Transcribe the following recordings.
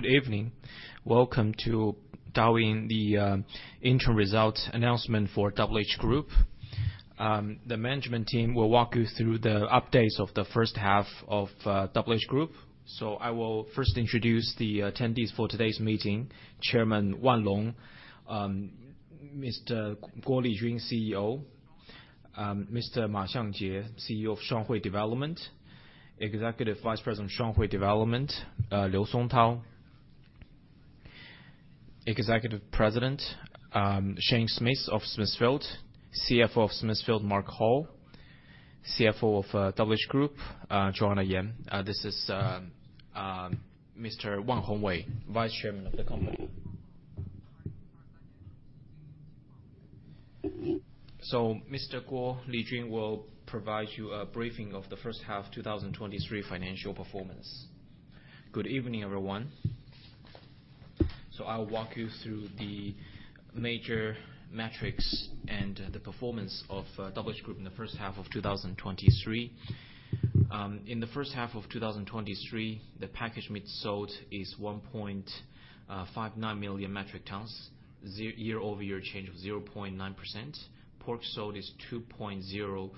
Good evening. Welcome to dialing the interim results announcement for WH Group. The management team will walk you through the updates of the first half of WH Group. I will first introduce the attendees for today's meeting. Chairman Wan Long, Mr. Guo Lijun, CEO, Mr. Ma Xiangjie, CEO of Shuanghui Development, Executive Vice President of Shuanghui Development, Liu Songtao, Executive President, Shane Smith of Smithfield, CFO of Smithfield, Mark Hall, CFO of WH Group, Joanna Yan. This is Mr. Wan Hongwei, Vice Chairman of the company. Mr. Guo Lijun will provide you a briefing of the first half 2023 financial performance. Good evening, everyone. I'll walk you through the major metrics and the performance of WH Group in the first half of 2023. In the first half of 2023, the packaged meat sold is 1.59 million metric tons, year-over-year change of 0.9%. Pork sold is 2.02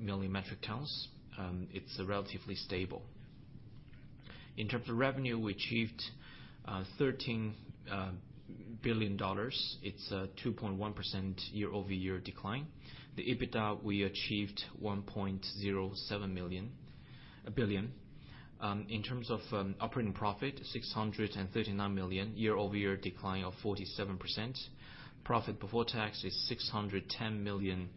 million metric tons. It's relatively stable. In terms of revenue, we achieved $13 billion. It's a 2.1% year-over-year decline. The EBITDA, we achieved $1.07 billion. In terms of operating profit, $639 million, year-over-year decline of 47%. Profit before tax is $610 million,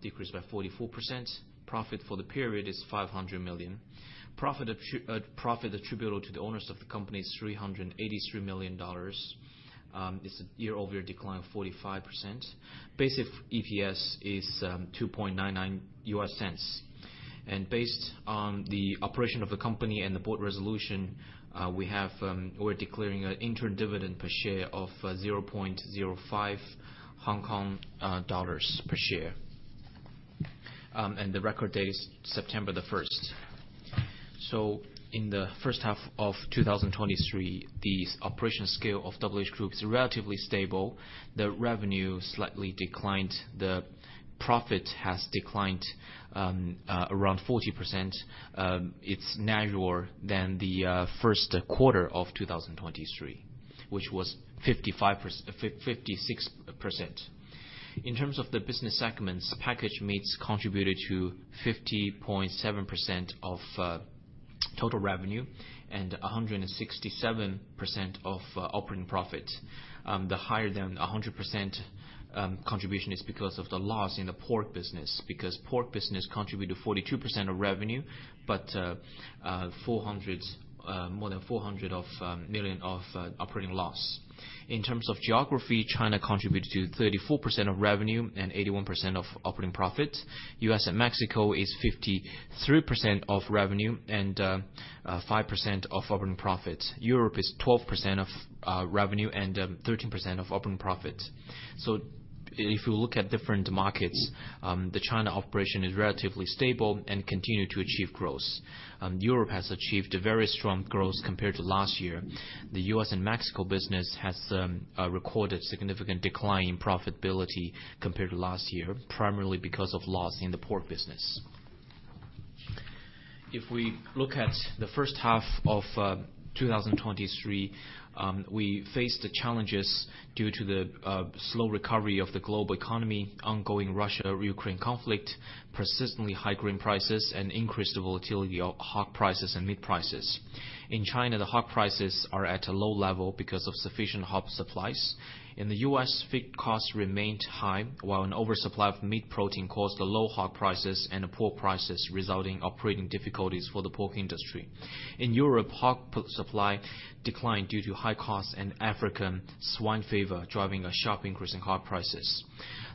decreased by 44%. Profit for the period is $500 million. Profit attributable to the owners of the company is $383 million. It's a year-over-year decline of 45%. Basic EPS is $0.0299. Based on the operation of the company and the board resolution, we're declaring an interim dividend per share of 0.05 Hong Kong dollars per share. The record date is September the first. In the first half of 2023, the operation scale of WH Group is relatively stable. The revenue slightly declined. The profit has declined around 40%. It's narrower than the first quarter of 2023, which was 55%-56%. In terms of the business segments, packaged meats contributed to 50.7% of total revenue and 167% of operating profit. The higher than 100% contribution is because of the loss in the pork business, because pork business contributed 42% of revenue, but more than $400 million of operating loss. In terms of geography, China contributed to 34% of revenue and 81% of operating profit. U.S. and Mexico is 53% of revenue and 5% of operating profit. Europe is 12% of revenue and 13% of operating profit. If you look at different markets, the China operation is relatively stable and continue to achieve growth. Europe has achieved a very strong growth compared to last year. The U.S. and Mexico business has recorded significant decline in profitability compared to last year, primarily because of loss in the pork business. If we look at the first half of 2023, we faced the challenges due to the slow recovery of the global economy, ongoing Russia-Ukraine conflict, persistently high grain prices, and increased volatility of hog prices and meat prices. In China, the hog prices are at a low level because of sufficient hog supplies. In the US, feed costs remained high, while an oversupply of meat protein caused the low hog prices and the pork prices, resulting operating difficulties for the pork industry. In Europe, hog supply declined due to high costs and African swine fever, driving a sharp increase in hog prices.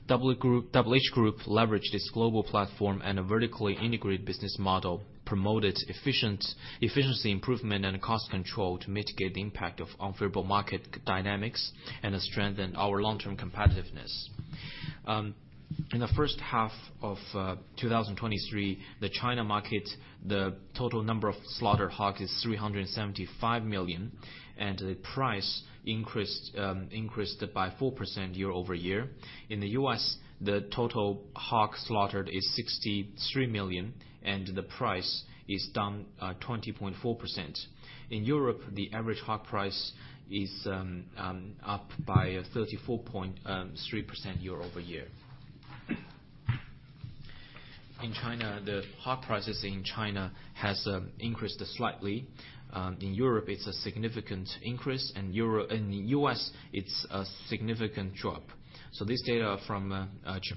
WH Group, WH Group leveraged its global platform and a vertically integrated business model, promoted efficiency improvement and cost control to mitigate the impact of unfavorable market dynamics, and has strengthened our long-term competitiveness. In the first half of 2023, the China market, the total number of slaughter hog is 375 million, and the price increased by 4% year-over-year. In the US, the total hogs slaughtered is 63 million, and the price is down 20.4%. In Europe, the average hog price is up by 34.3% year-over-year. In China, the hog prices in China has increased slightly. In Europe, it's a significant increase. In the US, it's a significant drop. This data from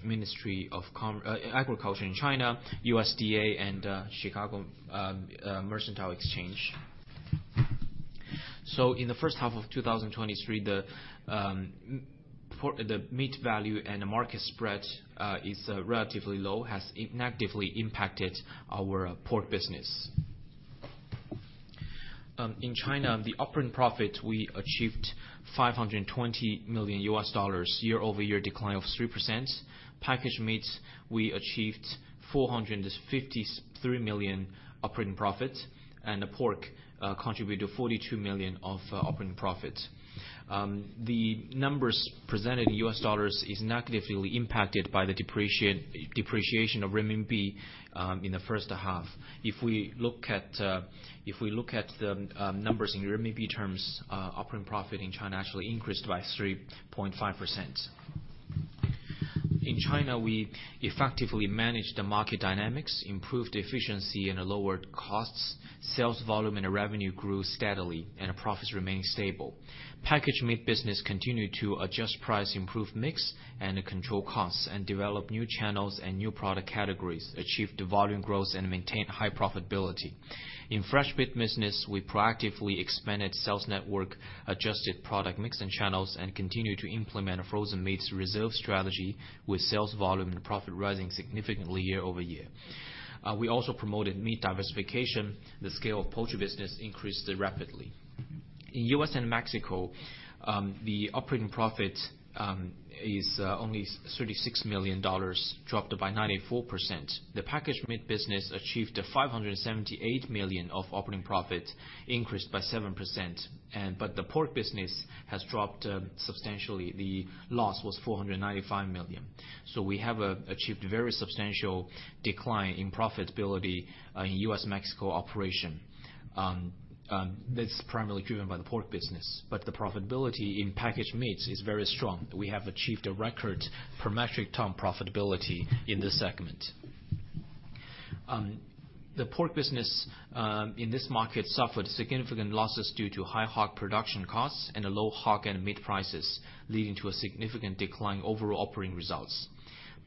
Ministry of Agriculture in China, USDA, and Chicago Mercantile Exchange. In the first half of 2023, the meat value and the market spread is relatively low, has negatively impacted our pork business. In China, the operating profit, we achieved $520 million, year-over-year decline of 3%. packaged meats, we achieved $453 million operating profit, and the pork contributed to $42 million of operating profit. The numbers presented in US dollars is negatively impacted by the depreciation of renminbi in the first half. If we look at the numbers in renminbi terms, operating profit in China actually increased by 3.5%. In China, we effectively managed the market dynamics, improved efficiency and lowered costs. Sales volume and revenue grew steadily, and profits remained stable. packaged meat business continued to adjust price, improve mix, and control costs, and develop new channels and new product categories, achieved volume growth and maintained high profitability. In fresh meat business, we proactively expanded sales network, adjusted product mix and channels, and continued to implement a frozen meats reserve strategy, with sales volume and profit rising significantly year-over-year. We also promoted meat diversification. The scale of poultry business increased rapidly. In U.S. and Mexico, the operating profit is only $36 million, dropped by 94%. The packaged meat business achieved a $578 million of operating profit, increased by 7%. The pork business has dropped substantially. The loss was $495 million. We have achieved very substantial decline in profitability in U.S., Mexico operation. That's primarily driven by the pork business, but the profitability in packaged meats is very strong. We have achieved a record per metric ton profitability in this segment. The pork business in this market, suffered significant losses due to high hog production costs and a low hog and meat prices, leading to a significant decline in overall operating results.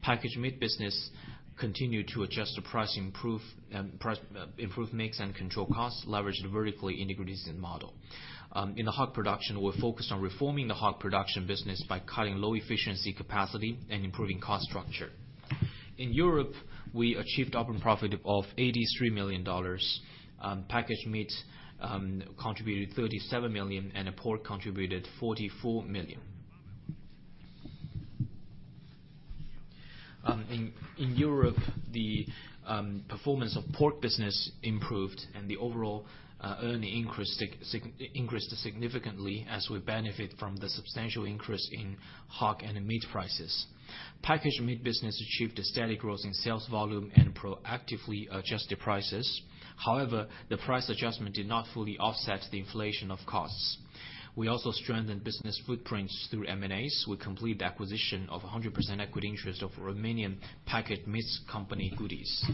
packaged meat business continued to adjust the price, improve price, improve mix and control costs, leveraged vertically integrated business model. In the hog production, we're focused on reforming the hog production business by cutting low efficiency capacity and improving cost structure. In Europe, we achieved operating profit of $83 million. packaged meats contributed $37 million, and pork contributed $44 million. In, in Europe, the performance of pork business improved, and the overall earning increased significantly as we benefit from the substantial increase in hog and meat prices. packaged meat business achieved a steady growth in sales volume and proactively adjusted prices. However, the price adjustment did not fully offset the inflation of costs. We also strengthened business footprints through M&As. We completed the acquisition of 100% equity interest over Romanian packaged meats company, Goodies.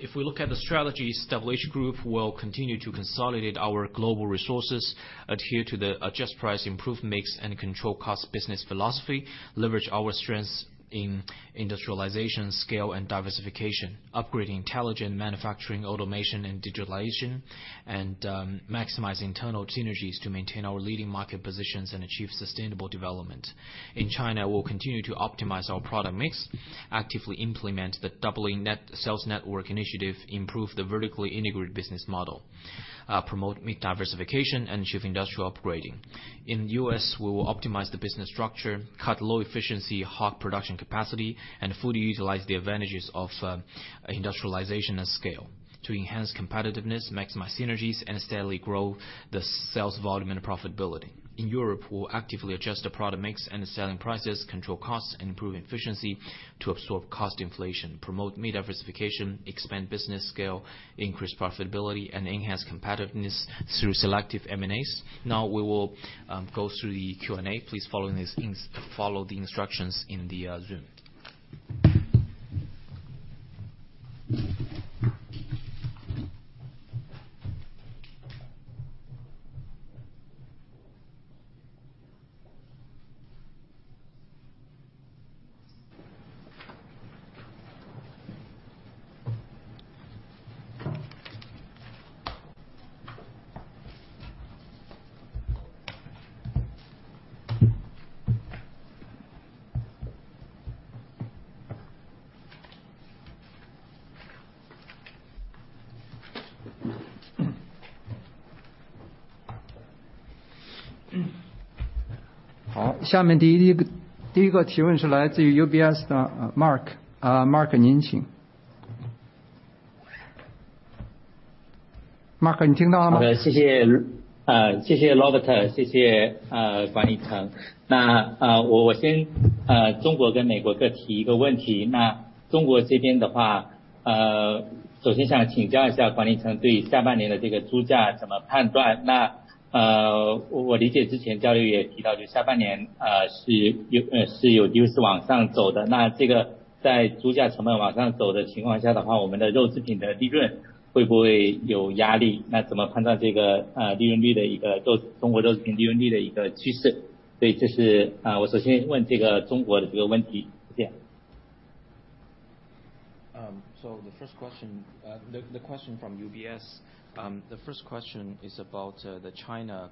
If we look at the strategies, WH Group will continue to consolidate our global resources, adhere to the adjust price, improve mix, and control cost business philosophy, leverage our strengths in industrialization, scale, and diversification, upgrading intelligent manufacturing, automation and digitalization, and maximize internal synergies to maintain our leading market positions and achieve sustainable development. In China, we'll continue to optimize our product mix, actively implement the sales network initiative, improve the vertically integrated business model, promote meat diversification and achieve industrial upgrading. In the US, we will optimize the business structure, cut low-efficiency hog production capacity, and fully utilize the advantages of industrialization and scale to enhance competitiveness, maximize synergies and steadily grow the sales volume and profitability. In Europe, we'll actively adjust the product mix and the selling prices, control costs, and improve efficiency to absorb cost inflation, promote meat diversification, expand business scale, increase profitability, and enhance competitiveness through selective M&As. Now we will go through the Q&A. Please follow these instructions in the Zoom. The first question, the question from UBS, the first question is about the China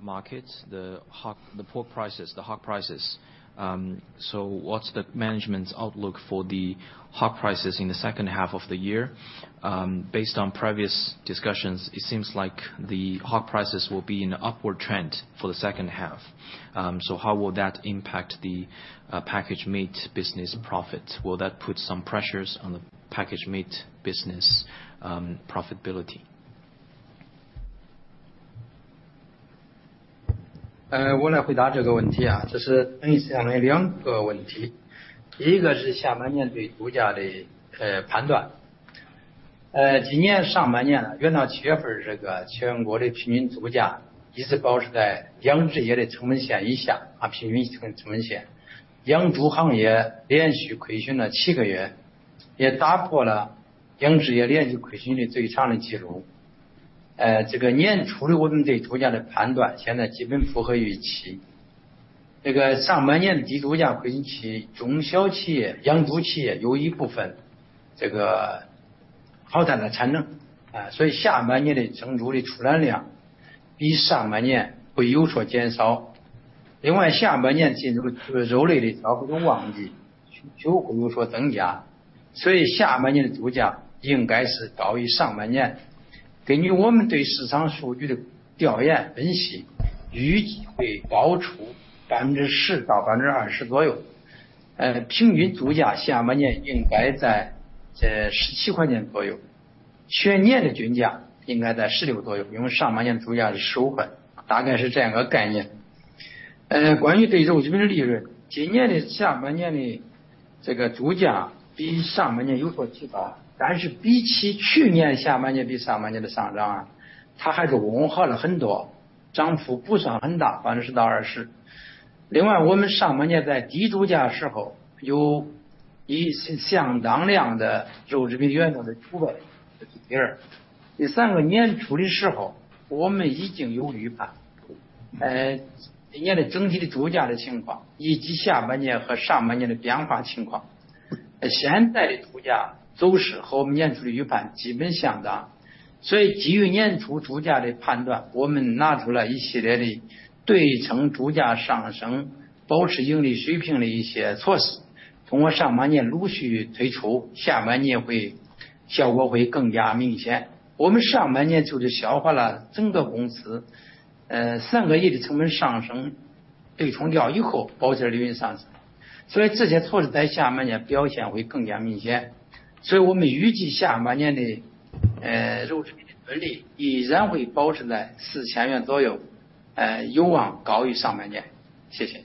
market, the pork prices, the hog prices. What's the management's outlook for the hog prices in the second half of the year? Based on previous discussions, it seems like the hog prices will be in an upward trend for the second half. How will that impact the packaged meat business profit? Will that put some pressures on the packaged meat business profitability? 我来回答这个问 题， 这是分为两个问 题， 第一个是下半年对猪价的判断。今年上半 年， 约到 July 份， 这个全国的平均猪价一直保持在养殖业的成本线以 下， 平均成本线。养猪行业连续亏损了7个 月， 也打破了养殖业连续亏损的最长的记录。这个年初的我们对猪价的判断现在基本符合预期。这个上半年的低猪 价， 使中小企业、养猪企业有一部分好大的产 能， 下半年的整体的出栏量比上半年会有所减少。另 外， 下半年进入肉类的消费旺 季， 就会有所增加，下半年的猪价应该是高于上半年。根据我们对市场数据的调研分 析， 预计会高出 10%-20% 左 右， 平均猪价下半年应该在 CNY 17左 右， 全年的均价应该在 CNY 16左 右， 因为上半年猪价是 CNY 10， 大概是这样一个概念。关于对 packaged meats 利 润， 今年的下半年的这个猪价比上半年有所提 高， 但是比起去年下半年比上半年的上 涨， 它还是温和了很 多， 涨幅不算很 大， 10%-20%。另 外， 我们上半年在低猪价的时 候， 有一相当量的 packaged meats 原材料的储备。第 二， 第三 个， 年初的时 候， 我们已经有预 判， 今年的整体的猪价的情 况， 以及下半年和上半年的变化情 况， 现在的猪价都是和我们年初的预判基本相当。基于年初猪价的判 断， 我们拿出了一系列的对冲猪价上 升， 保持盈利水平的一些措 施， 通过上半年陆续推 出， 下半年会效果会更加明显。我们上半年就消化了整个公司3个月的成本上 升， 被冲掉以后保持了利润上升，这些措施在下半年表现会更加明显。我们预计下半年的 packaged meats 盈利依然会保持在 CNY 4,000 左 右， 有望高于上半年。谢谢。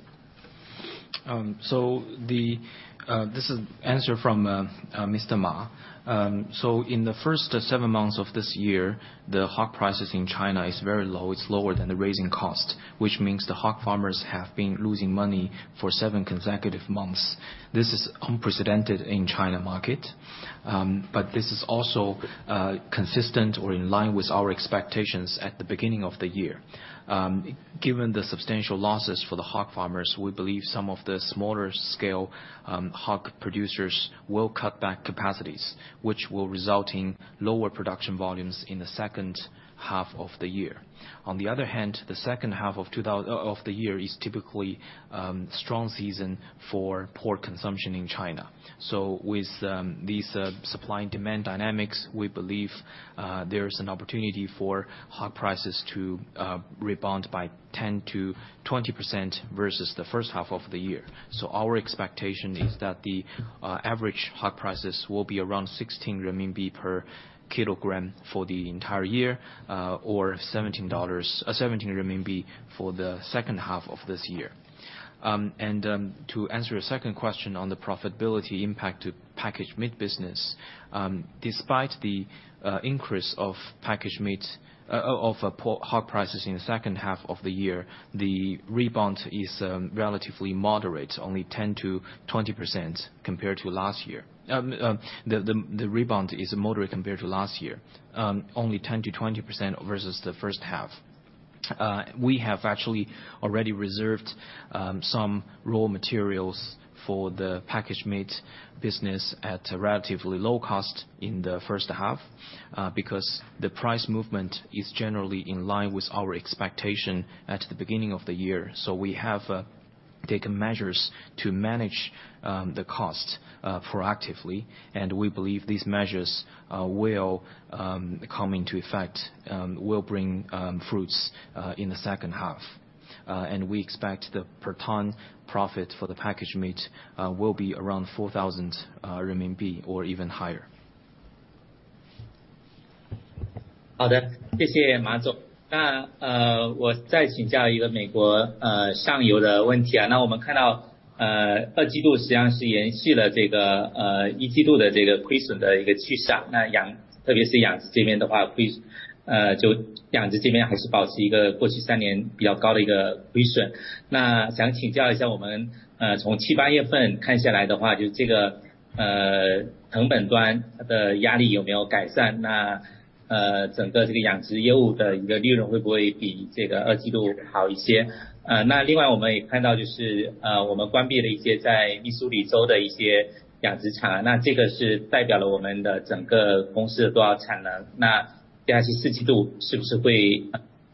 This is answer from Mr. Ma. In the first seven months of this year, the hog prices in China is very low. It's lower than the raising cost, which means the hog farmers have been losing money for seven consecutive months. This is unprecedented in China market, this is also consistent or in line with our expectations at the beginning of the year. Given the substantial losses for the hog farmers, we believe some of the smaller scale hog producers will cut back capacities, which will result in lower production volumes in the second half of the year. On the other hand, the second half of the year is typically strong season for pork consumption in China. With these supply and demand dynamics, we believe there is an opportunity for hog prices to rebound by 10%-20% versus the first half of the year. Our expectation is that the average hog prices will be around 16 renminbi per kilogram for the entire year, or $17-- 17 renminbi for the second half of this year. To answer your second question on the profitability impact to packaged meat business. Despite the increase of packaged meats, of pork-- hog prices in the second half of the year, the rebound is relatively moderate, only 10%-20% compared to last year. The rebound is moderate compared to last year, only 10%-20% versus the first half. We have actually already reserved some raw materials for the packaged meats business at a relatively low cost in the first half, because the price movement is generally in line with our expectation at the beginning of the year. We have taken measures to manage the cost proactively, and we believe these measures will come into effect, will bring fruits in the second half. We expect the per ton profit for the packaged meats will be around 4,000 RMB or even higher. 好 的， 谢谢马总。那， 呃， 我再请教一个美 国， 呃， 上游的问题 啊， 那我们看 到， 呃， 二季度实际上是延续了这 个， 呃， 一季度的这个亏损的一个趋 势， 那 养， 特别是养殖这边的 话， 亏， 呃， 就养殖这边还是保持一个过去三年比较高的一个亏损。那想请教一 下， 我 们， 呃， 从七八月份看下来的 话， 就这 个， 呃， 成本端的压力有没有改 善？ 那， 呃， 整个这个养殖业务的一个利润会不会比这个二季度好一 些？ 呃， 那另外我们也看到就 是， 呃， 我们关闭了一些在密苏里州的一些养殖 场， 那这个是代表了我们的整个公司的多少产 能， 那......第四季度是不是会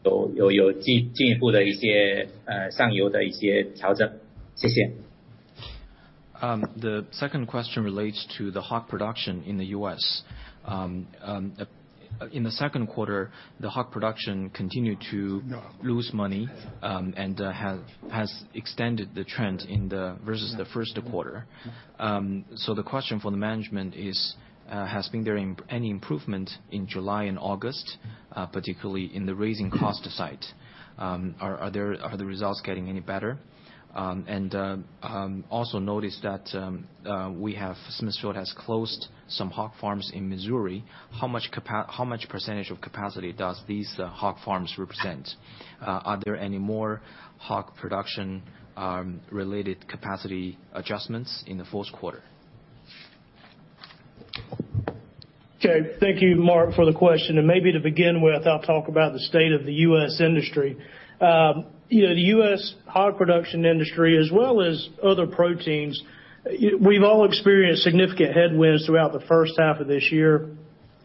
有， 有， 有进一步的一 些， 上游的一些调 整？ 谢谢。The second question relates to the hog production in the U.S. In the second quarter, the hog production continued to lose money, and, has, has extended the trend in the versus the first quarter. The question for the management is, has been there any improvement in July and August, particularly in the raising cost site? Are, are there-- are the results getting any better? Also notice that, we have Smithfield has closed some hog farms in Missouri. How much capa-- how much percentage of capacity does these hog farms represent? Are there any more hog production, related capacity adjustments in the fourth quarter? Okay, thank you Mark, for the question. Maybe to begin with, I'll talk about the state of the U.S. industry. You know, the U.S. hog production industry as well as other proteins, we've all experienced significant headwinds throughout the first half of this year.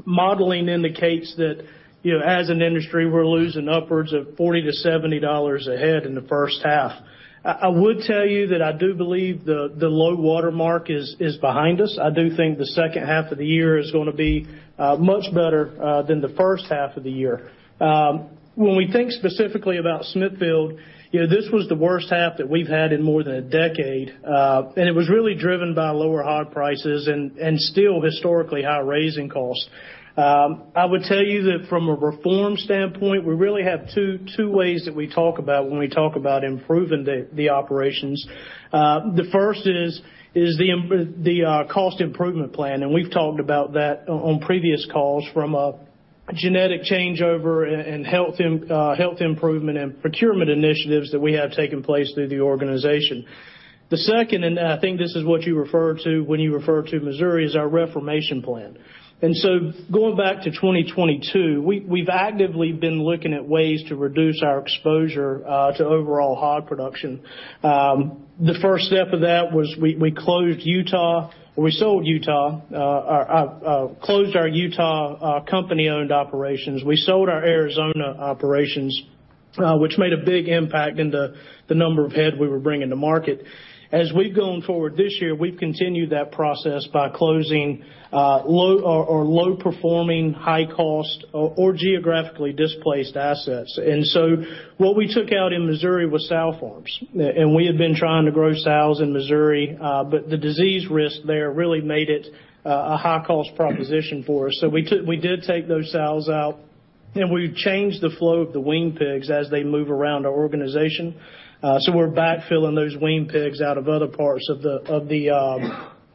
Modeling indicates that, you know, as an industry, we're losing upwards of $40-$70 a head in the first half. I, I would tell you that I do believe the low water mark is behind us. I do think the second half of the year is going to be much better than the first half of the year. When we think specifically about Smithfield, you know, this was the worst half that we've had in more than a decade, and it was really driven by lower hog prices and still historically high raising costs. I would tell you that from a reform standpoint, we really have two, two ways that we talk about when we talk about improving the operations. The first is the cost improvement plan. We've talked about that on previous calls from a genetic changeover and health improvement and procurement initiatives that we have taken place through the organization. The second, I think this is what you referred to when you referred to Missouri, is our reformation plan. Going back to 2022, we've actively been looking at ways to reduce our exposure to overall hog production. The first step of that was we closed Utah, we sold Utah, closed our Utah company-owned operations. We sold our Arizona operations, which made a big impact in the number of head we were bringing to market. As we've going forward this year, we've continued that process by closing low or low performing, high cost or geographically displaced assets. What we took out in Missouri was sow farms. We had been trying to grow sows in Missouri, but the disease risk there really made it a high cost proposition for us. We took-- we did take those sows out. We've changed the flow of the wean pigs as they move around our organization. We're back filling those wean pigs out of other parts of the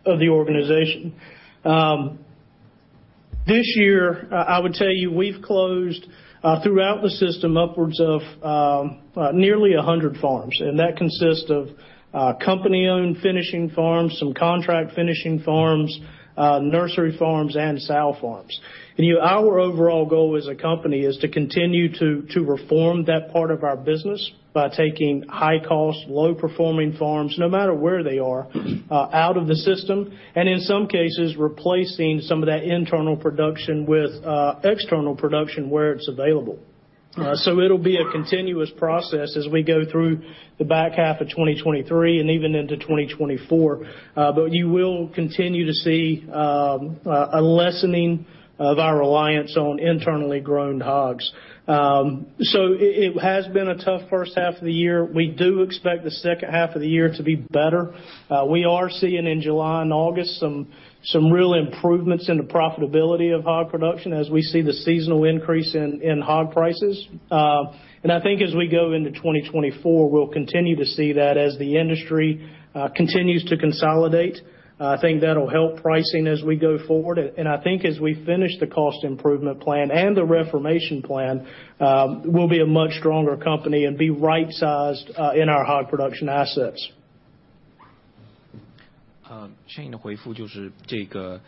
organization. This year, I would tell you, we've closed throughout the system, upwards of nearly 100 farms. That consists of company-owned finishing farms, some contract finishing farms, nursery farms and sow farms. Our overall goal as a company is to continue to reform that part of our business by taking high cost, low performing farms, no matter where they are, out of the system. In some cases, replacing some of that internal production with external production where it's available. It'll be a continuous process as we go through the back half of 2023 and even into 2024. You will continue to see a lessening of our reliance on internally grown hogs. It has been a tough first half of the year. We do expect the second half of the year to be better. We are seeing in July and August some real improvements in the profitability of hog production as we see the seasonal increase in hog prices. I think as we go into 2024, we'll continue to see that as the industry continues to consolidate. I think that'll help pricing as we go forward. I think as we finish the cost improvement plan and the reformation plan, we'll be a much stronger company and be right sized in our hog production assets. 现在的回复就是这 个，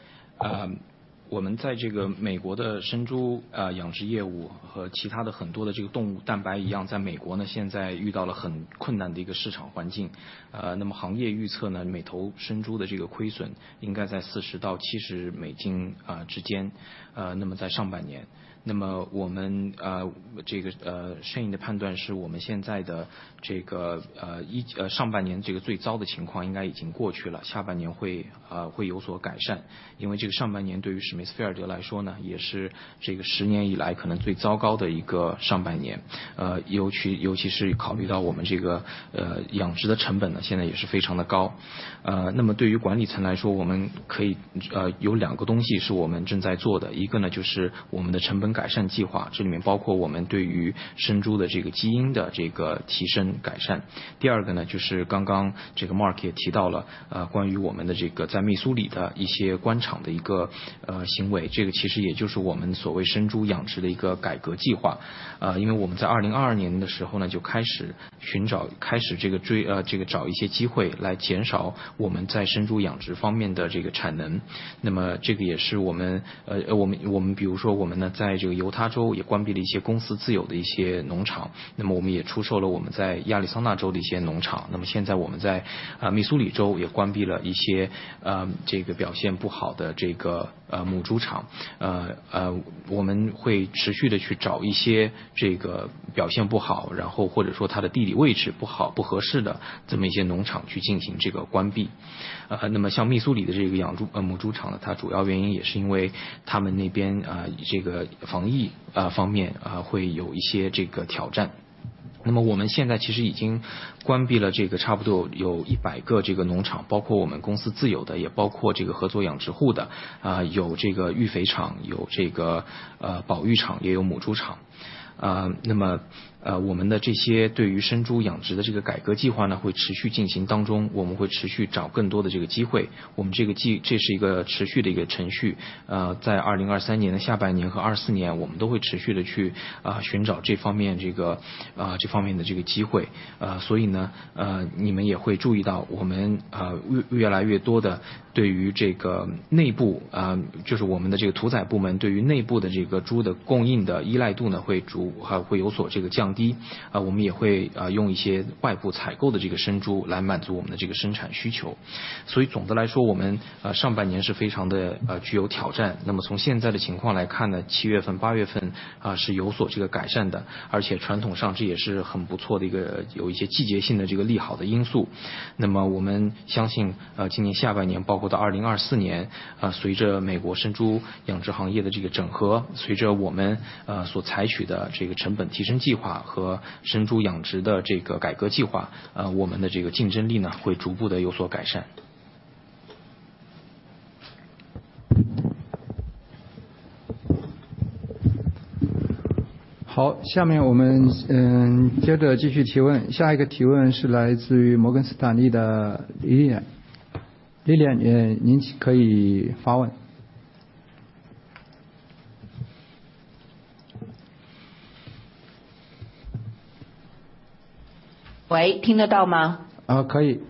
我们在这个 US 的生猪养殖业务和其他的很多的这个动物蛋白一 样， 在 US 呢， 现在遇到了很困难的一个市场环境。行业预测 呢， 每头生猪的这个亏损应该在 $40-$70 之间。那么在上半年，我们相应的判断是我们现在的这 个， 一， 上半年这个最糟的情况应该已经过去 了， 下半年会有所改善。因为这个上半年对于 Smithfield Foods 来说 呢， 也是这个10年以来可能最糟糕的一个上半 年， 尤 其， 尤其是考虑到我们这个养殖的成本 呢， 现在也是非常的高。那么对于管理层来 说， 我们可以有 two 个东西是我们正在做 的， 一个 呢， 就是我们的成本改善计 划， 这里面包括我们对于生猪的这个基因的这个提升改善。第 second 个 呢， 就是刚刚这个 Mark 也提到 了， 关于我们的这个在 Missouri 的一些官场的一个行 为， 这个其实也就是我们所谓生猪养殖的一个改革计划。因为我们在2022年的时候 呢， 就开始寻 找， 开始这个 追， 这个找一些机会来减少我们在生猪养殖方面的这个产能。那么这个也是我 们， 我 们， 我们比如说我们 呢， 在这个 Utah 也关闭了一些公司自有的一些农 场， 那么我们也出售了我们在 Arizona 的一些农 场， 那么现在我们在 Missouri 也关闭了一些这个表现不好的这个母猪场。我们会持续地去找一些这个表现不 好， 然后或者说它的地理位置不好、不合适的这么一些农场去进行这个关闭。那么像 Missouri 的这个养猪母猪场 呢， 它主要原因也是因为他们那边这个防疫方面会有一些这个挑战。那么我们现在其实已经关闭了这个差不多有100个这个 农场，包括 我们公司自有 的，也 包括这个合作养殖户 的，有 这个 育肥场，有 这个 保育场，也有 母猪场。那么我们的这些对于生猪养殖的这个改革计划 呢，会 持续进行 当中，我们会 持续找更多的这个 机会，我们 这个 计，这是一个 持续的一个 程序，在 2023年的下半年和2024 年，我们 都会持续地去寻找 这方面，这个，这方面 的这个机会。所以 呢，你们 也会 注意到，我们 越，越来越 多的对于这个 内部，就是 我们的这个屠宰 部门，对于 内部的这个猪的供应的依赖度 呢，会 逐还会有所这个降低。我们也会用一些外部采购的这个生猪来满足我们的这个生产需求。所以总的 来说，我们 上半年是非常的具有挑战。那么从现在的情况来看 呢，7 月份、8 月份是有所这个改善 的，而且 传统上这也是很不错的一个有一些季节性的这个利好的因素。那么我们 相信，今年 下半年，包括 到2024 年，随着 美国生猪养殖行业的这个 整合，随着 我们所采取的这个成本提升计划和生猪养殖的这个改革 计划，我们的 这个竞争力 呢，会 逐步地有所改善。好， 下面我 们， 嗯， 接着继续提问。下一个提问是来自于摩根斯坦利的丽丽。丽 丽， 呃， 您可以发问。喂， 听得到 吗？ 啊， 可以。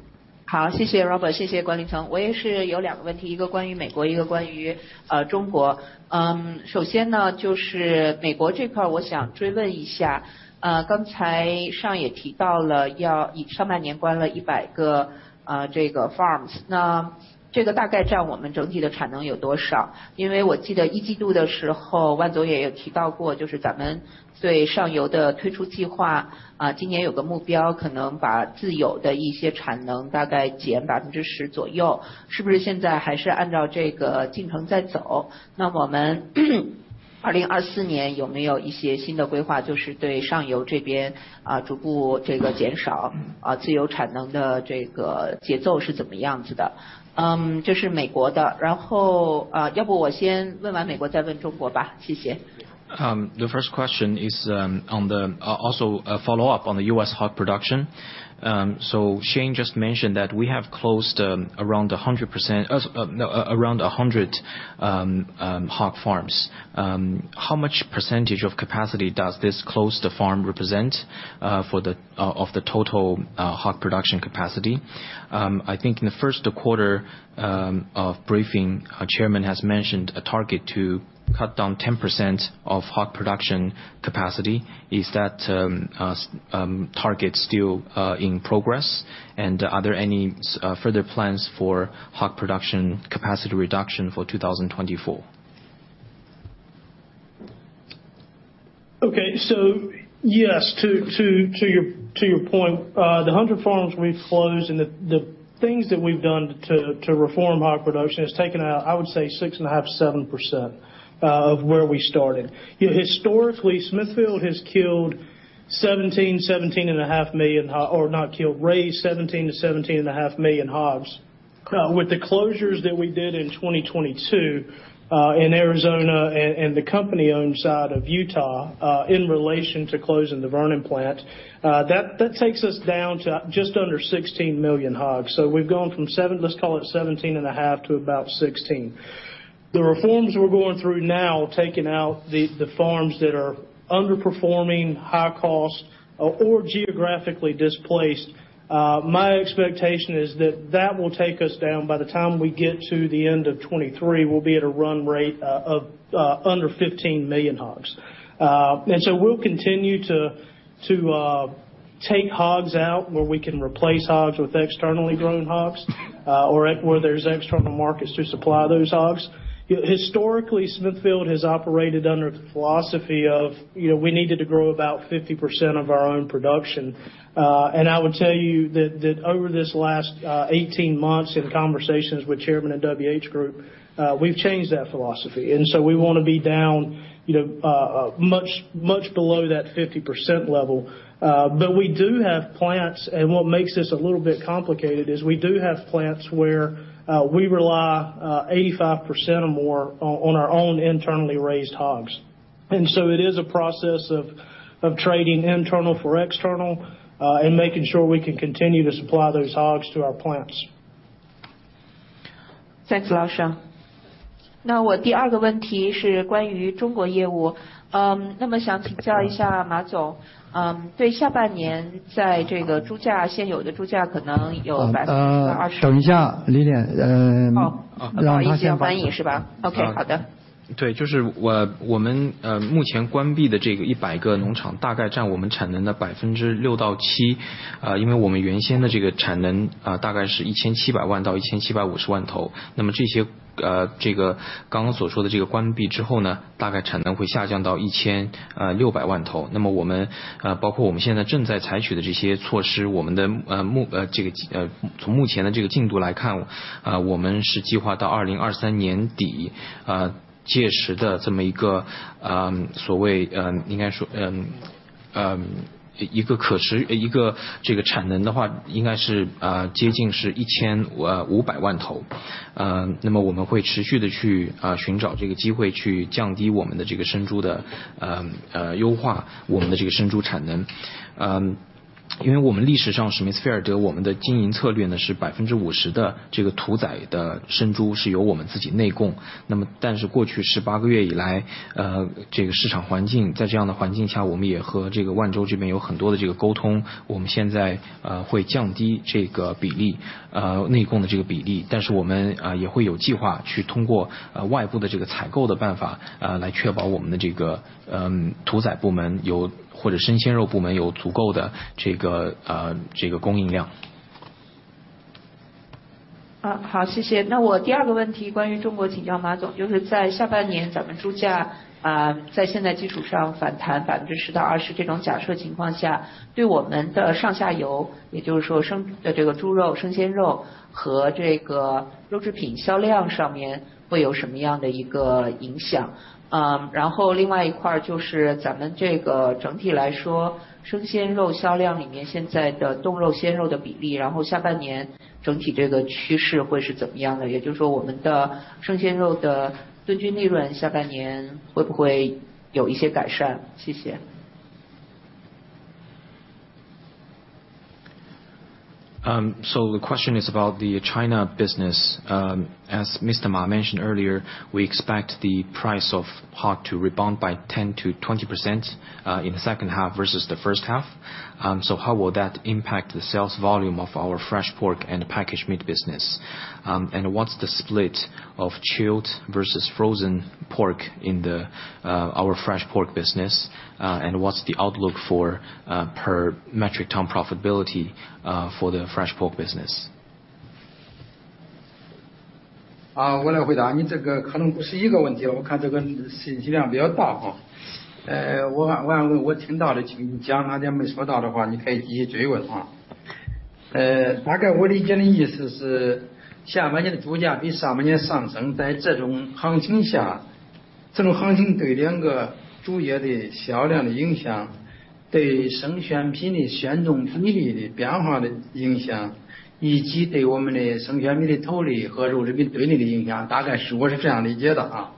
好， 谢谢 Robert， 谢谢管理层。我也是有两个问 题， 一个关于美 国， 一个关于 呃， 中国。嗯， 首先 呢， 就是美国这 块， 我想追问一 下， 呃， 刚才上也提到 了， 要以上半年关了一百个， 呃， 这个 farms， 那这个大概占我们整体的产能有多 少？ 因为我记得一季度的时 候， 万总也有提到 过， 就是咱们对上游的退出计 划， 啊， 今年有个目 标， 可能把自有的一些产能大概减百分之十左 右， 是不是现在还是按照这个进程在 走？ 那我们2024年有没有一些新的规 划， 就是对上游这 边， 啊， 逐步这个减 少， 啊， 自有产能的这个节奏是怎么样子 的？ 呃， 这是美国的。然 后， 呃， 要不我先问完美国再问中国吧。谢谢。The first question is on the... Also follow up on the U.S. hog production. So Shane just mentioned that we have closed around 100%, no, around 100 hog farms. How much percentage of capacity does this close the farm represent for the of the total hog production capacity? I think in the first quarter of briefing, our Chairman has mentioned a target to cut down 10% of hog production capacity. Is that U.S. target still in progress? Are there any further plans for hog production capacity reduction for 2024? Yes, to your point, the 100 farms we've closed and the things that we've done to reform our production has taken, I would say, 6.5%-7% of where we started. Historically, Smithfield has killed 17, 17.5 million or not killed, raised 17-17.5 million hogs. With the closures that we did in 2022, in Arizona and the company owned side of Utah, in relation to closing the Vernon plant, that takes us down to just under 16 million hogs. We've gone from, let's call it, 17.5 to about 16. The reforms we're going through now, taking out the farms that are underperforming, high cost or geographically displaced, my expectation is that that will take us down by the time we get to the end of 2023, we'll be at a run rate of under 15 million hogs. We'll continue to take hogs out where we can replace hogs with externally grown hogs, or where there's external markets to supply those hogs. Historically, Smithfield has operated under the philosophy of, you know, we needed to grow about 50% of our own production. I would tell you that over this last 18 months in conversations with Chairman and WH Group, we've changed that philosophy. We want to be down, you know, much below that 50% level. We do have plants, and what makes this a little bit complicated is we do have plants where we rely 85% or more on our own internally raised hogs. It is a process of trading internal for external, and making sure we can continue to supply those hogs to our plants. Thanks a lot, Sean. 那我第2个问题是关于中国业务。那么想请教一下马 总, 对下半年在这个猪 价， 现有的猪价可能有 20% -等一 下， 丽丽. 哦， 不好意 思， 要翻译是吧 ？OK， 好的。对， 就是我-我们 呃， 目前关闭的这个一百个农 场， 大概占我们产能的百分之六到 七， 呃， 因为我们原先的这个产能 啊， 大概是一千七百万到一千七百五十万 头， 那么这 些， 呃， 这个刚刚所说的这个关闭之后 呢， 大概产能会下降到一 千， 呃， 六百万头。那么我 们， 呃， 包括我们现在正在采取的这些措 施， 我们的 呃， 目， 呃， 这 个， 呃， 从目前的这个进度来 看， 呃， 我们是计划到2023年 底， 呃， 届时的这么一 个， 呃， 所 谓， 呃， 应该 说， 呃-... 呃， 一个可 持， 一个这个产能的 话， 应该 是， 呃， 接近是一千五百万头。呃， 那么我们会持续地去啊寻找这个机 会， 去降低我们的这个生猪 的， 呃， 呃， 优化我们的这个生猪产能。呃， 因为我们历史上史密斯菲尔德我们的经营策略 呢， 是百分之五十的这个屠宰的生猪是由我们自己内供。那么但是过去十八个月以 来， 呃， 这个市场环境在这样的环境 下， 我们也和这个万洲这边有很多的这个沟 通， 我们现在 呃， 会降低这个比 例， 呃， 内供的这个比 例， 但是我们啊也会有计划去通过 呃， 外部的这个采购的办法 啊， 来确保我们的这个 呃， 屠宰部门有或者生鲜肉部门有足够的这个 呃， 这个供应量。好, 谢谢. 我第二个问题关于 China 请教 马总, 就是在下半年咱们猪 价, 在现在基础上反弹 10%-20% 这种假设情况 下, 对我们的上下 游, 也就是说生这个猪肉、生鲜肉和这个 packaged meats 销量上面会有什么样的一个影 响? 然后另外一块就是咱们这个整体来 说, 生鲜肉销量里面现在的冻肉鲜肉的比 例, 然后下半年整体这个趋势会是怎么样 的? 也就是说我们的生鲜肉的吨均利润下半年会不会有一些改 善? 谢谢. The question is about the China business. As Mr. Ma mentioned earlier, we expect the price of pork to rebound by 10%-20% in the second half versus the first half. How will that impact the sales volume of our fresh pork and packaged meats business? What's the split of chilled versus frozen pork in our fresh pork business? What's the outlook for per metric ton profitability for the fresh pork business? 我来回答你这个可能不是一个问 题， 我看这个信息量比较大。我按我听到的 讲， 还没说到的 话， 你可以继续追问。大概我理解的意思是下半年的猪价比上半年上升。在这种行情 下， 这种行情对两个主业的销量的影 响， 对生鲜品的鲜冻比例的变化的影响，以及对我们的生鲜品的吨利和肉制品对你的影 响， 大概我是这样理解的。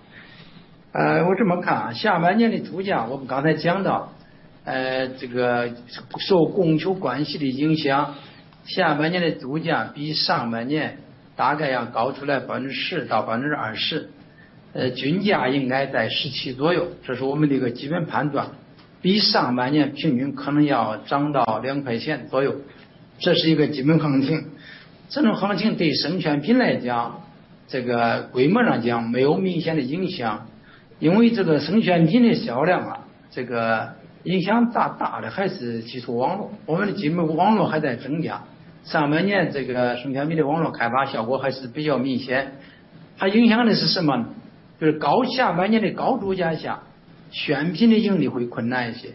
我这么 看， 下半年的猪 价， 我们刚才讲 到， 这个受供求关系的影 响， 下半年的猪价比上半年大概要高出来 10%-20%， 均价应该在 RMB 17左 右， 这是我们的一个基本判 断， 比上半年平均可能要涨到 RMB 2左右，这是一个基本行情。这种行情对生鲜品来 讲， 这个规模上讲没有明显的影 响， 因为这个生鲜品的销 量， 这个影响大大的还是基础网 络， 我们的基本网络还在增加。上半年这个生鲜品的网络开发效果还是比较明 显， 它影响的是什么 呢？ 就是下半年的高猪价 下， 鲜品的盈利会困难一 些，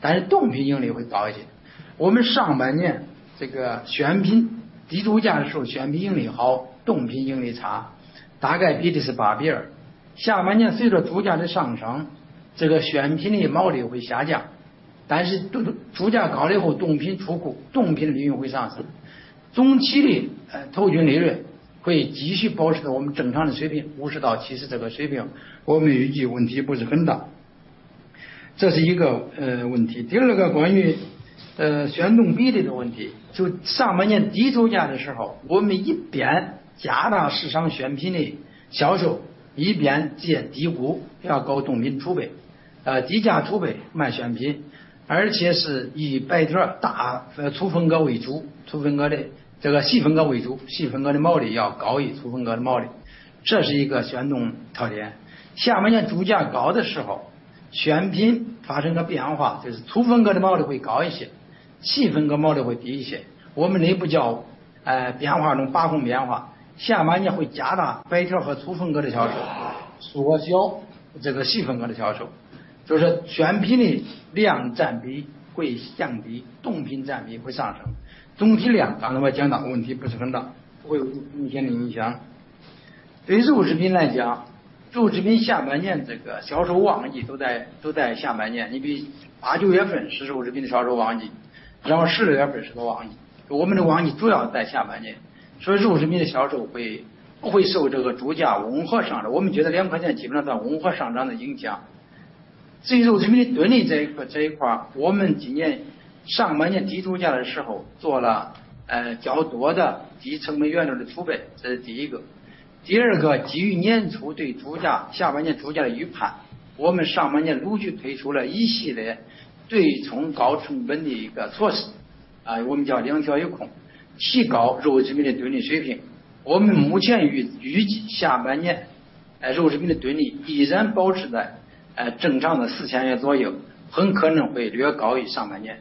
但是冻品盈利会高一些。我们上半年这个鲜品低猪价的时 候， 鲜品盈利 好， 冻品盈利 差， 大概比例是 8:2。下半年随着猪价的上 涨， 这个鲜品的毛利会下 降， 但是冻猪价高了 后， 冻品出 库， 冻品的利润会上 升， 终期的吨均利润会继续保持在我们正常的水 平， RMB 50-RMB 70这个水 平， 我们预计问题不是很 大， 这是一个问题。第二个关于鲜冻比例的问 题， 就上半年低猪价的时 候， 我们一边加大市场鲜品的销 售， 一边建低 谷， 要搞冻品储 备， 低价储 备， 卖鲜 品， 而且是以白条大粗分割为 主， 粗分割的细分割为 主， 细分割的毛利要高于粗分割的毛 利， 这是一个鲜冻特点。下半年猪价高的时 候， 鲜品发生了变 化， 就是粗分割的毛利会高一 些， 细分割毛利会低一些。我们内部叫变化中八供变 化， 下半年会加大白条和粗分割的销 售， 缩小这个细分割的销 售， 就是鲜品的量占比会降 低， 冻品占比会上 升， 总体量当然来讲的问题不是很 大， 不会有明显的影响。对于肉制品来讲，肉制品下半年这个销售旺季都在下半 年， 你比如 8、9 月份是肉制品销售旺 季， 然后10月份是个旺 季， 我们的旺季主要在下半 年， 所以肉制品的销售会不会受这个猪价混合上 涨， 我们觉得 RMB 2基本上在混合上涨的影响。肉制品动力这一 块， 这一块我们今年上半年低猪价的时候做了较多的低成本原料的储 备， 这是第一个。第二 个， 基于年初对猪价下半年猪价的预 判， 我们上半年陆续推出了一系列对冲高成本的一个措 施， 我们叫零调优 控， 提高肉制品的利润水平。我们目前预计下半年肉制品的吨利依然保持在正常的 RMB 4,000 左 右， 很可能会略高于上半年。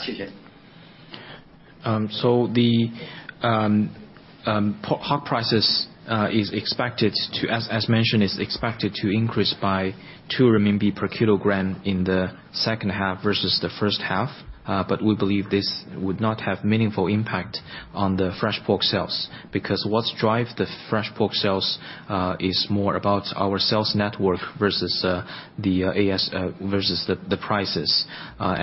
谢谢。Um, so the um-... Hog prices, as, as mentioned, is expected to increase by 2 RMB per kilogram in the second half versus the first half. We believe this would not have meaningful impact on the fresh pork sales, because what's drive the fresh pork sales, is more about our sales network versus the ASF, versus the prices.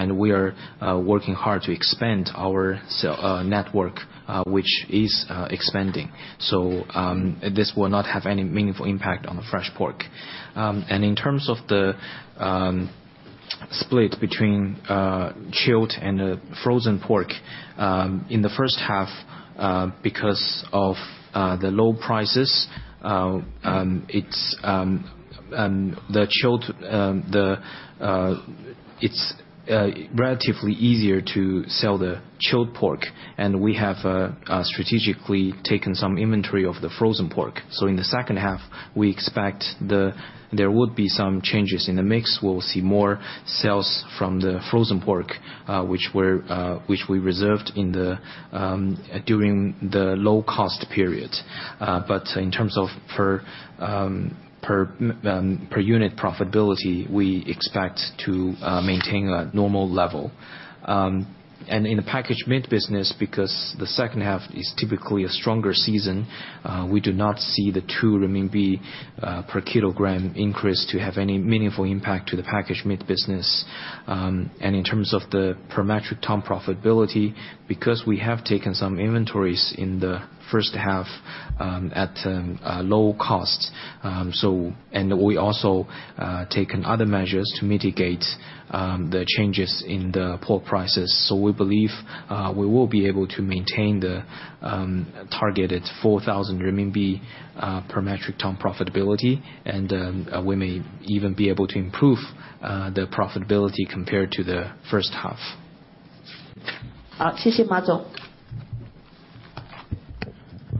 We are working hard to expand our sale network, which is expanding. This will not have any meaningful impact on the fresh pork. In terms of the split between chilled and frozen pork, in the first half, because of the low prices, it's and the chilled, the, it's relatively easier to sell the chilled pork, and we have strategically taken some inventory of the frozen pork.In the second half, we expect the there would be some changes in the mix, we'll see more sales from the frozen pork, which were, which we reserved in the during the low cost period. In terms of for, per, per unit profitability, we expect to maintain a normal level. In a packaged meat business, because the second half is typically a stronger season, we do not see the 2 renminbi per kilogram increase to have any meaningful impact to the packaged meat business. In terms of the per metric ton profitability, because we have taken some inventories in the first half, at a low cost, and we also taken other measures to mitigate the changes in the pork prices, so we believe we will be able to maintain the targeted 4,000 RMB per metric ton profitability, and then we may even be able to improve the profitability compared to the first half.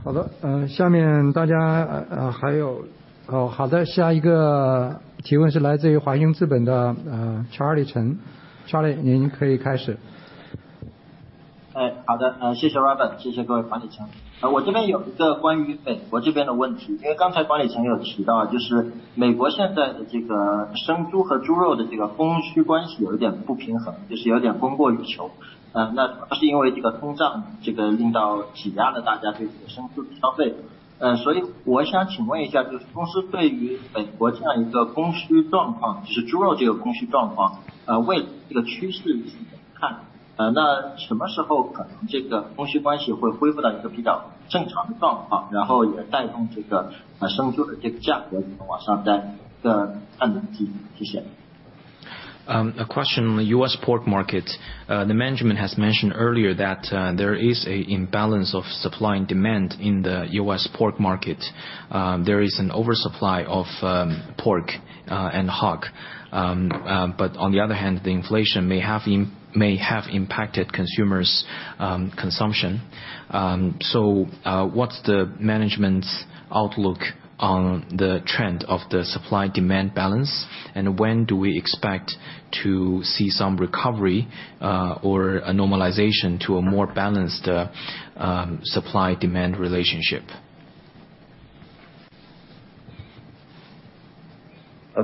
好， 谢谢马总。好 的，下 面大家还有 哦，好 的，下 一个提问是来自于 China Renaissance 的 Charlie Chen。Charlie， 您可以开始。哎， 好 的， 谢谢 Robert， 谢谢各位管理层。我这边有一个关于美国这边的问 题， 因为刚才管理层有提 到， 就是美国现在的这个生猪和猪肉的这个供需关系有点不平 衡， 就是有点供过于 求， 呃， 那主要是因为这个通 胀， 这个令到挤压了大家对生猪的消费。呃， 所以我想请问一 下， 就是公司对于美国这样一个供需状 况， 就是猪肉这个供需状 况， 呃， 未来这个趋势你怎么 看？ 呃， 那什么时候可能这个供需关系会恢复到一个比较正常的状 况， 然后也带动这个生猪的这个价格能够往上 带？ 这个观 点， 谢谢。A question on the U.S. pork market. The management has mentioned earlier that there is a imbalance of supply and demand in the U.S. pork market. There is an oversupply of pork and hog. On the other hand, the inflation may have may have impacted consumers, consumption. What's the management's outlook on the trend of the supply demand balance? When do we expect to see some recovery or a normalization to a more balanced supply demand relationship?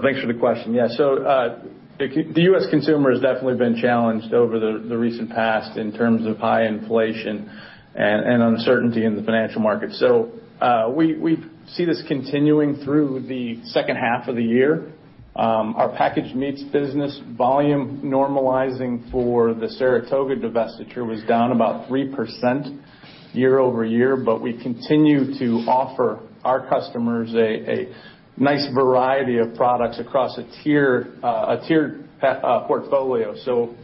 Thanks for the question. Yeah, the U.S. consumer has definitely been challenged over the, the recent past in terms of high inflation and, and uncertainty in the financial market. We, we see this continuing through the second half of the year. Our packaged meats business volume normalizing for the Saratoga divestiture was down about 3% year-over-year, but we continue to offer our customers a, a nice variety of products across a tier, a tiered portfolio, so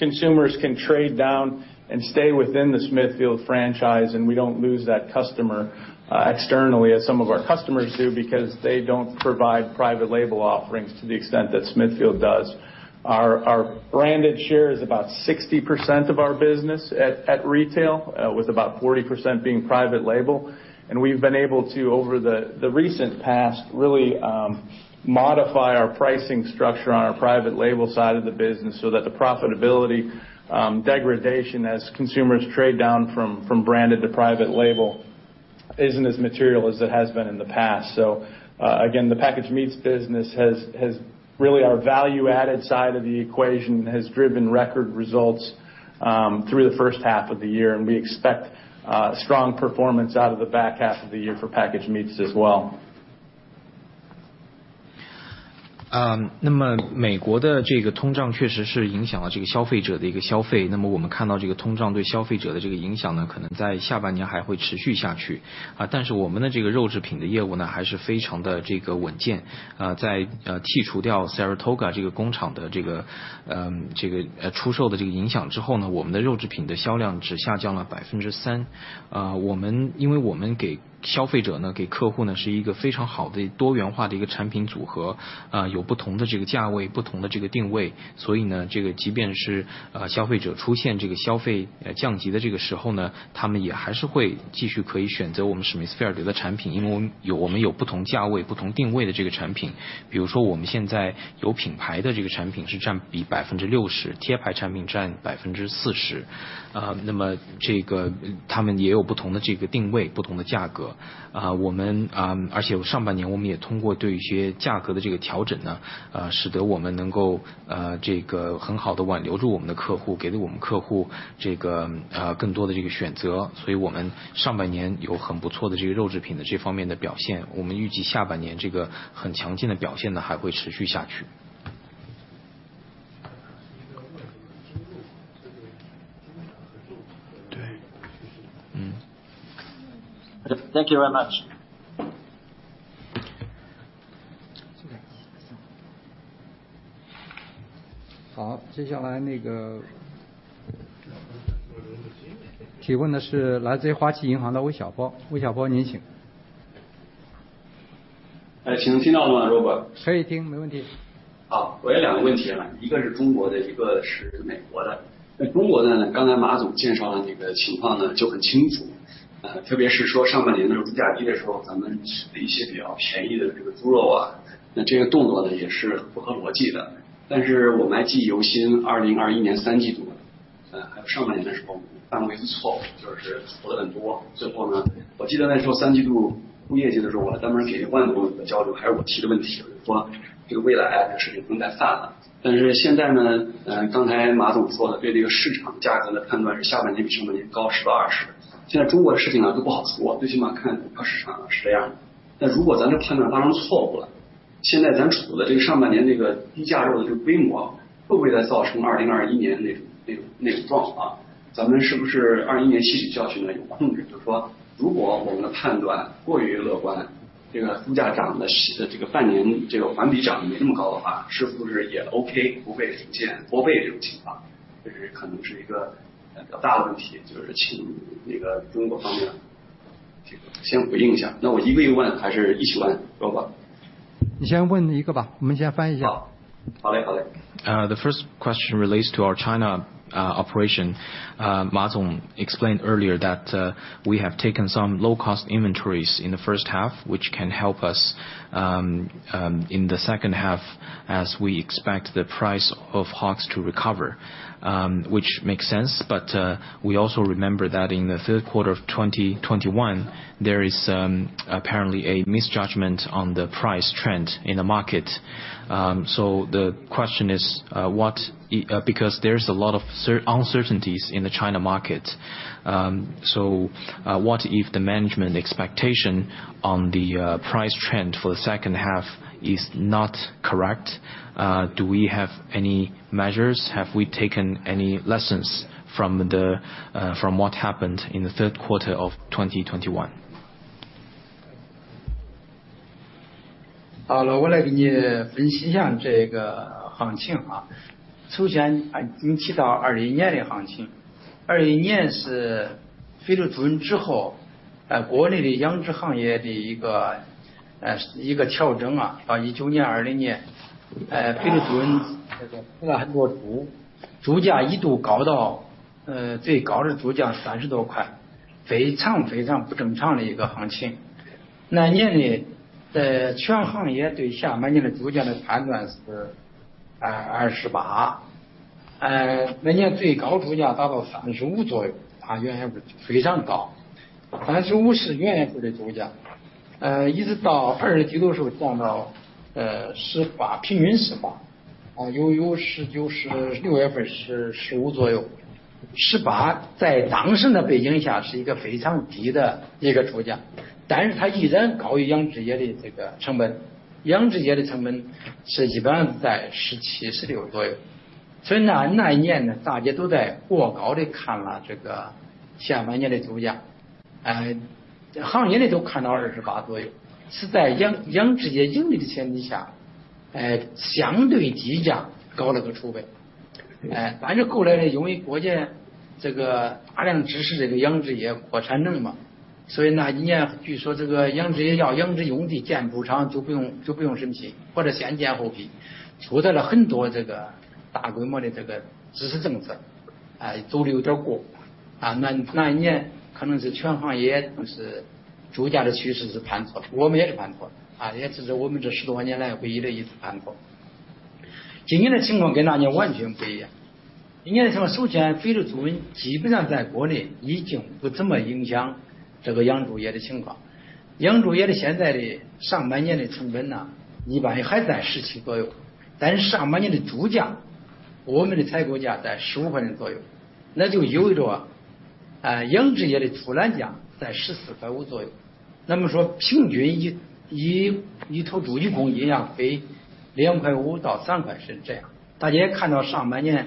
consumers can trade down and stay within the Smithfield franchise, and we don't lose that customer externally as some of our customers do, because they don't provide private label offerings to the extent that Smithfield does Our, our branded share is about 60% of our business at, at retail, with about 40% being private label. We've been able to over the, the recent past, really, modify our pricing structure on our private label side of the business, so that the profitability degradation as consumers trade down from, from branded to private label, isn't as material as it has been in the past. Again, the packaged meats business has, has really our value added side of the equation, has driven record results through the first half of the year, and we expect strong performance out of the back half of the year for packaged meats as well. 那么美国的这个通胀确实是影响到这个消费者的一个消 费， 那么我们看到这个通胀对消费者的这个影响 呢， 可能在下半年还会持续下去。我们的这个肉制品的业务 呢， 还是非常的这个稳健。在剔除掉 Saratoga 这个工厂的这个出售的这个影响之后 呢， 我们的肉制品的销量只下降了 3%。我 们， 因为我们给消费者 呢， 给客户 呢， 是一个非常好的多元化的一个产品组 合， 有不同的这个价 位， 不同的这个定位。这个即便是消费者出现这个消费降级的这个时候 呢， 他们也还是会继续可以选择我们 Smithfield 的产 品， 因为我们 有， 我们有不同价位、不同定位的这个产品。比如说我们现在有品牌的这个产品是占比 60%， 贴牌产品占 40%， 那么这个他们也有不同的这个定 位， 不同的价格。我们上半年也通过对一些价格的这个调整 呢， 使得我们能够这个很好地挽留住我们的客 户， 给予我们客户这个更多的这个选择。我们上半年有很不错的这个肉制品的这方面的表 现， 我们预计下半年这个很强劲的表现 呢， 还会持续下去。对. Thank you very much. 好， 接下来那个提问的是来自于花旗银行的魏晓波。魏晓 波， 您请。请听到 吗，Robert? 可以 听， 没问题。好， 我有两个问题 啊， 一个是中国的一个是美国的。那中国的 呢， 刚才马总介绍的这个情况 呢， 就很清 楚， 呃， 特别是说上半年的低价的时 候， 咱们一些比较便宜的猪肉 啊， 那这个动作 呢， 也是符合逻辑的。但是我们还记忆犹新 ，2021 年三季 度， 呃， 还有上半年的时 候， 犯过一次错 误， 就是投得很 多， 最后 呢， 我记得那时候三季度物业的时 候， 我专门给万得的交 流， 还是我提的问 题， 说这个未来这个事情不能再犯了。但是现在 呢， 呃， 刚才马总说的对这个市场价格的判断是下半年比上半年高十到二十。现在中国的事情 啊， 都不好 说， 最起码看市场是这样。那如果咱的判断当中错误 了， 现在咱储的这个上半年这个低价肉的这个备 货， 会不会再造成2021年那 种， 那 种， 那种状 况？ 咱们是不是二一年吸取教训 呢？ 有控 制， 就是说如果我们的判断过于乐 观， 这个猪价涨得起的这个半 年， 这个环比涨得没那么高的 话， 是不是也 OK， 不会出现过备这种情 况， 这是可能是一个比较大的问题。就是请那个中国方面这个先回应一 下， 那我一个一个问还是一起问 ，Robert。你先问一个 吧， 我们先翻译一下。好 嘞， 好嘞。The first question relates to our China operation. 马总 explained earlier that we have taken some low cost inventories in the first half, which can help us in the second half as we expect the price of hogs to recover, which makes sense. We also remember that in the third quarter of 2021, there is apparently a misjudgment on the price trend in the market. The question is, what, because there's a lot of uncertainties in the China market. What if the management expectation on the price trend for the second half is not correct? Do we have any measures? Have we taken any lessons from what happened in the third quarter of 2021? 好 了， 我来给你分析一下这个行情啊。首 先， 你提到20年的行情 ，20 年是非洲猪瘟之 后， 呃， 国内的养殖行业的一 个， 呃， 一个调整 啊， 到19年、20 年， 呃， 非洲猪 瘟， 死了很多 猪， 猪价一度高 到， 呃， 最高的猪价三十多 块， 非常非常不正常的一个行情。那年 的， 在全行业对下半年的猪价的判断是 二， 二十 八， 呃， 那年最高猪价达到三十五左 右， 啊， 原先非常 高， 三十五是原养户的猪 价， 呃， 一直到二十几的时候降 到， 呃， 十 八， 平均十 八， 有有是就是六月份是十五左右。十八在当时的背景下是一个非常低的一个猪 价， 但是它依然高于养殖业的这个成本。养殖业的成本是一般在十七、十六左右。所以 呢， 那一年 呢， 大家都在过高地看了这个下半年的猪 价， 哎， 行业里都看到二十八左 右， 是在 养， 养殖业盈利的前提 下， 哎， 相对低价高了个储备。哎， 反正后来 呢， 由于国家这个大量支持这个养殖业扩大产能 嘛， 所以那一年据说这个养殖业要养殖用地建畜场就不 用， 就不用申 请， 或者先建后 批， 出台了很多这个大规模的这个支持政 策， 哎， 走得有点 过， 啊， 那那一年可能是全行业都是猪价的趋势是判断 错， 我们也是判断 错， 啊， 也这是我们这十多年来唯一的一次判断错。今年的情况跟那年完全不一样。今年的情 况， 首先非洲猪瘟基本上在国内已经不怎么影响这个养猪业的情况。养猪业的现在的上半年的成本 呢， 一般还在线十七左 右， 但是上半年的猪 价， 我们的采购价在十五块钱左 右， 那就意味着 啊， 养殖业的出栏价在十四块五左右。那么说平均一一头 猪， 一公斤要亏两块五到三块是这样。大家也看 到， 上半年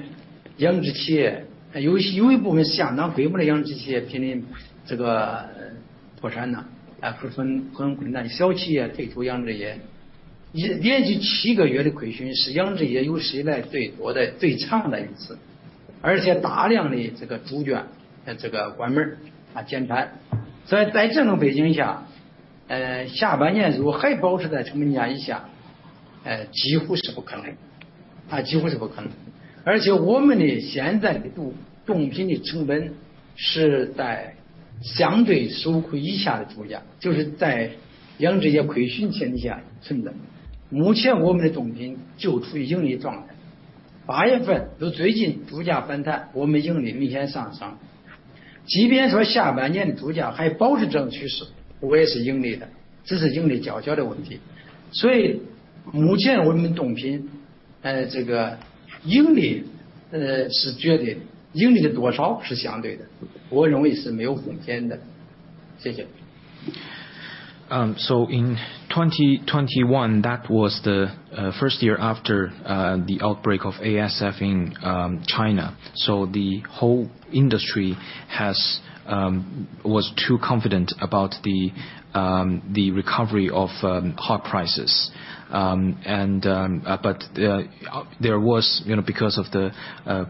养殖企 业， 尤其有一部分是相当规模的养殖企 业， 面临这个破产 啊， 啊， 很很困 难， 小企业退出养殖业。一连续七个月的亏 损， 是养殖业有史以来最多的最长的一 次， 而且大量的这个猪 圈， 这个关 门， 啊， 减产。在在这种背景 下， 呃， 下半年如果还保持在成本价以 下， 呃， 几乎是不可能 的， 啊， 几乎是不可能。而且我们的现在的 冻， 冻品的成本是在相对收亏以下的猪 价， 就是在养殖业亏损前提下存在的。目前我们的冻品就处于盈利状态。八月份到最近猪价反 弹， 我们盈利明显上升。即便说下半年的猪价还保持这种趋 势， 我也是盈利 的， 只是盈利大小的问题。所以目前我们冻 品， 呃， 这个盈 利， 呃， 是绝 对， 盈利的多少是相对 的， 不会容易是没有空间的。谢 谢。... In 2021, that was the first year after the outbreak of ASF in China. The whole industry has was too confident about the recovery of hog prices. There was, you know, because of the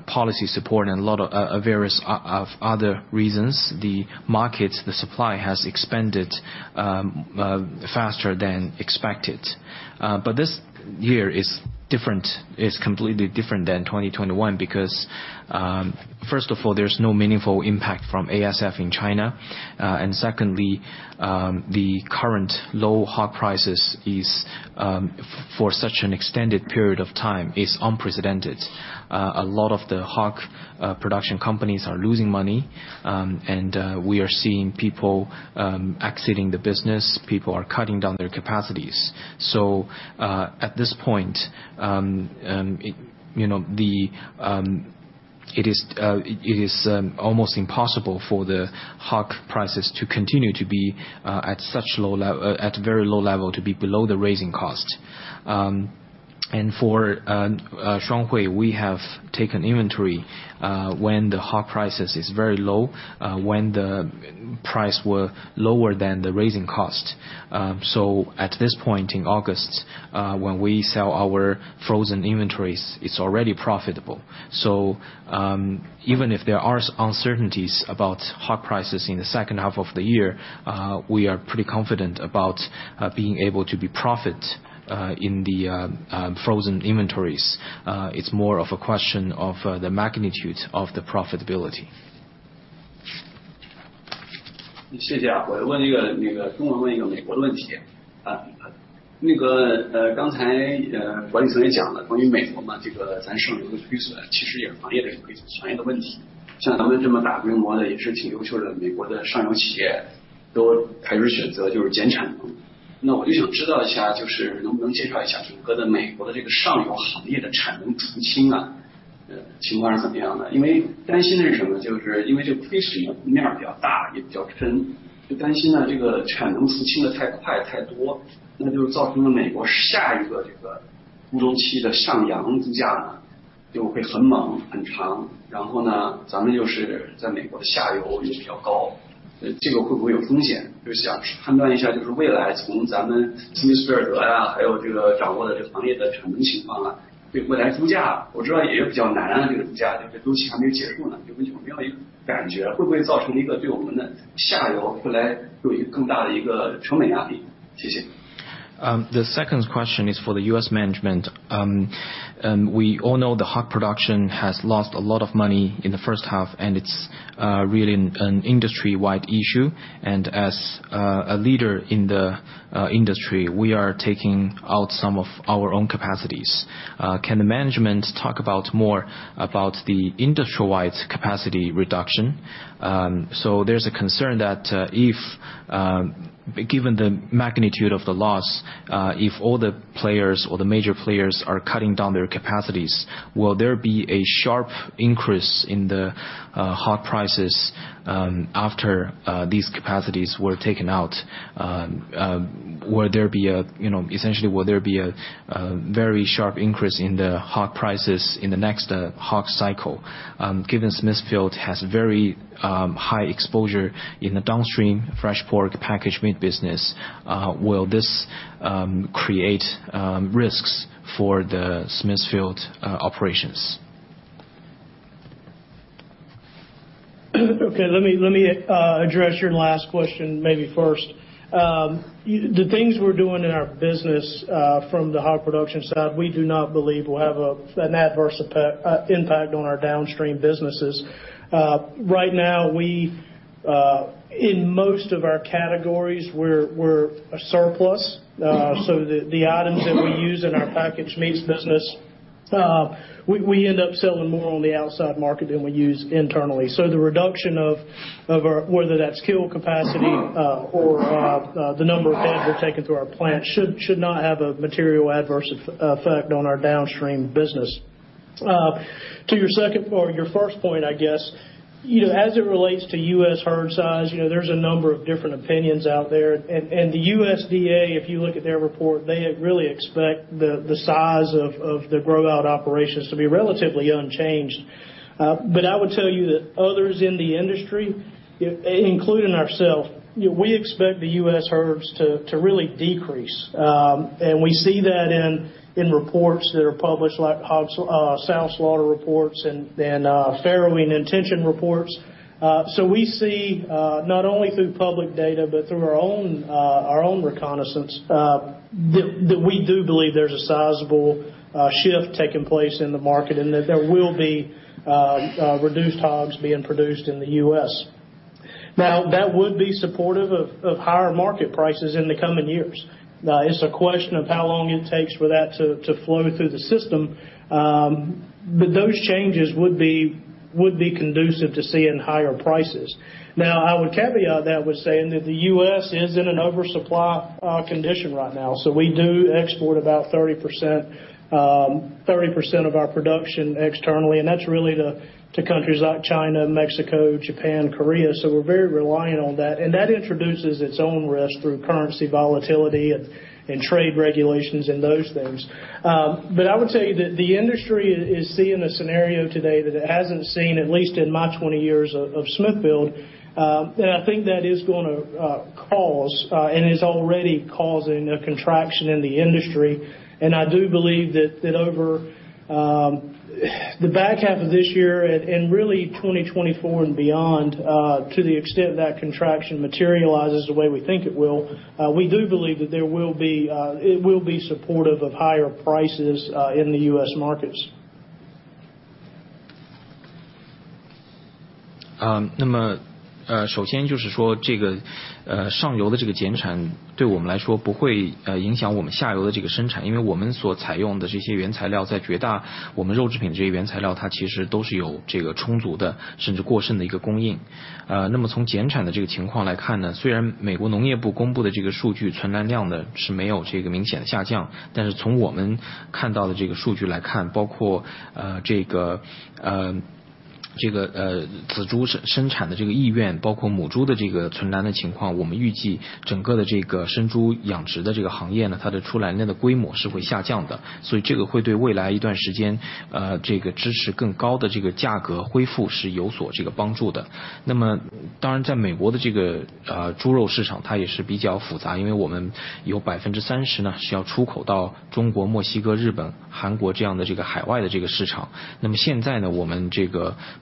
policy support and a lot of various o- of other reasons, the market, the supply has expanded faster than expected. This year is different. It's completely different than 2021 because, first of all, there's no meaningful impact from ASF in China. Secondly, the current low hog prices is for such an extended period of time, is unprecedented. A lot of the hog production companies are losing money, and we are seeing people exiting the business. People are cutting down their capacities. At this point, you know, it is, it is almost impossible for the hog prices to continue to be at such low level, at a very low level to be below the raising cost. For Shuanghui, we have taken inventory when the hog prices is very low, when the price were lower than the raising cost. At this point in August, when we sell our frozen inventories, it's already profitable. Even if there are uncertainties about hog prices in the second half of the year, we are pretty confident about being able to be profit in the frozen inventories. It's more of a question of the magnitude of the profitability. The second question is for the US management. We all know the hog production has lost a lot of money in the first half, and it's really an industry-wide issue. As a leader in the industry, we are taking out some of our own capacities. Can the management talk about more about the industry-wide capacity reduction? There's a concern that if, given the magnitude of the loss, if all the players or the major players are cutting down their capacities, will there be a sharp increase in the hog prices after these capacities were taken out? You know, essentially, will there be a very sharp increase in the hog prices in the next hog cycle? Given Smithfield has very high exposure in the downstream fresh pork packaged meat business, will this create risks for the Smithfield operations? Okay, let me, let me address your last question, maybe first. The things we're doing in our business, from the hog production side, we do not believe will have an adverse effect, impact on our downstream businesses. Right now, we, in most of our categories, we're, we're a surplus. So the, the items that we use in our packaged meats business, we, we end up selling more on the outside market than we use internally. So the reduction of, of our-- whether that's kill capacity, or, the number of heads we're taking through our plant, should, should not have a material adverse effect on our downstream business. To your second or your first point, I guess, you know, as it relates to US herd size, you know, there's a number of different opinions out there. The USDA, if you look at their report, they really expect the size of the grow-out operations to be relatively unchanged. But I would tell you that others in the industry, including ourselves, we expect the US herds to really decrease. And we see that in reports that are published, like, hog, sow slaughter reports and farrowing intention reports. So we see not only through public data, but through our own reconnaissance, that we do believe there's a sizable shift taking place in the market, and that there will be reduced hogs being produced in the US. That would be supportive of higher market prices in the coming years. It's a question of how long it takes for that to flow through the system. But those changes would be, would be conducive to seeing higher prices. Now, I would caveat that with saying that the U.S. is in an oversupply condition right now, so we do export about 30%, 30% of our production externally, and that's really to, to countries like China, Mexico, Japan, Korea. We're very reliant on that, and that introduces its own risk through currency volatility and, and trade regulations and those things. But I would tell you that the industry is seeing a scenario today that it hasn't seen, at least in my 20 years of, of Smithfield. And I think that is going to cause and is already causing a contraction in the industry. I do believe that, that over, the back half of this year and, and really 2024 and beyond, to the extent that contraction materializes the way we think it will, we do believe that there will be, it will be supportive of higher prices, in the US markets. Uh, 好，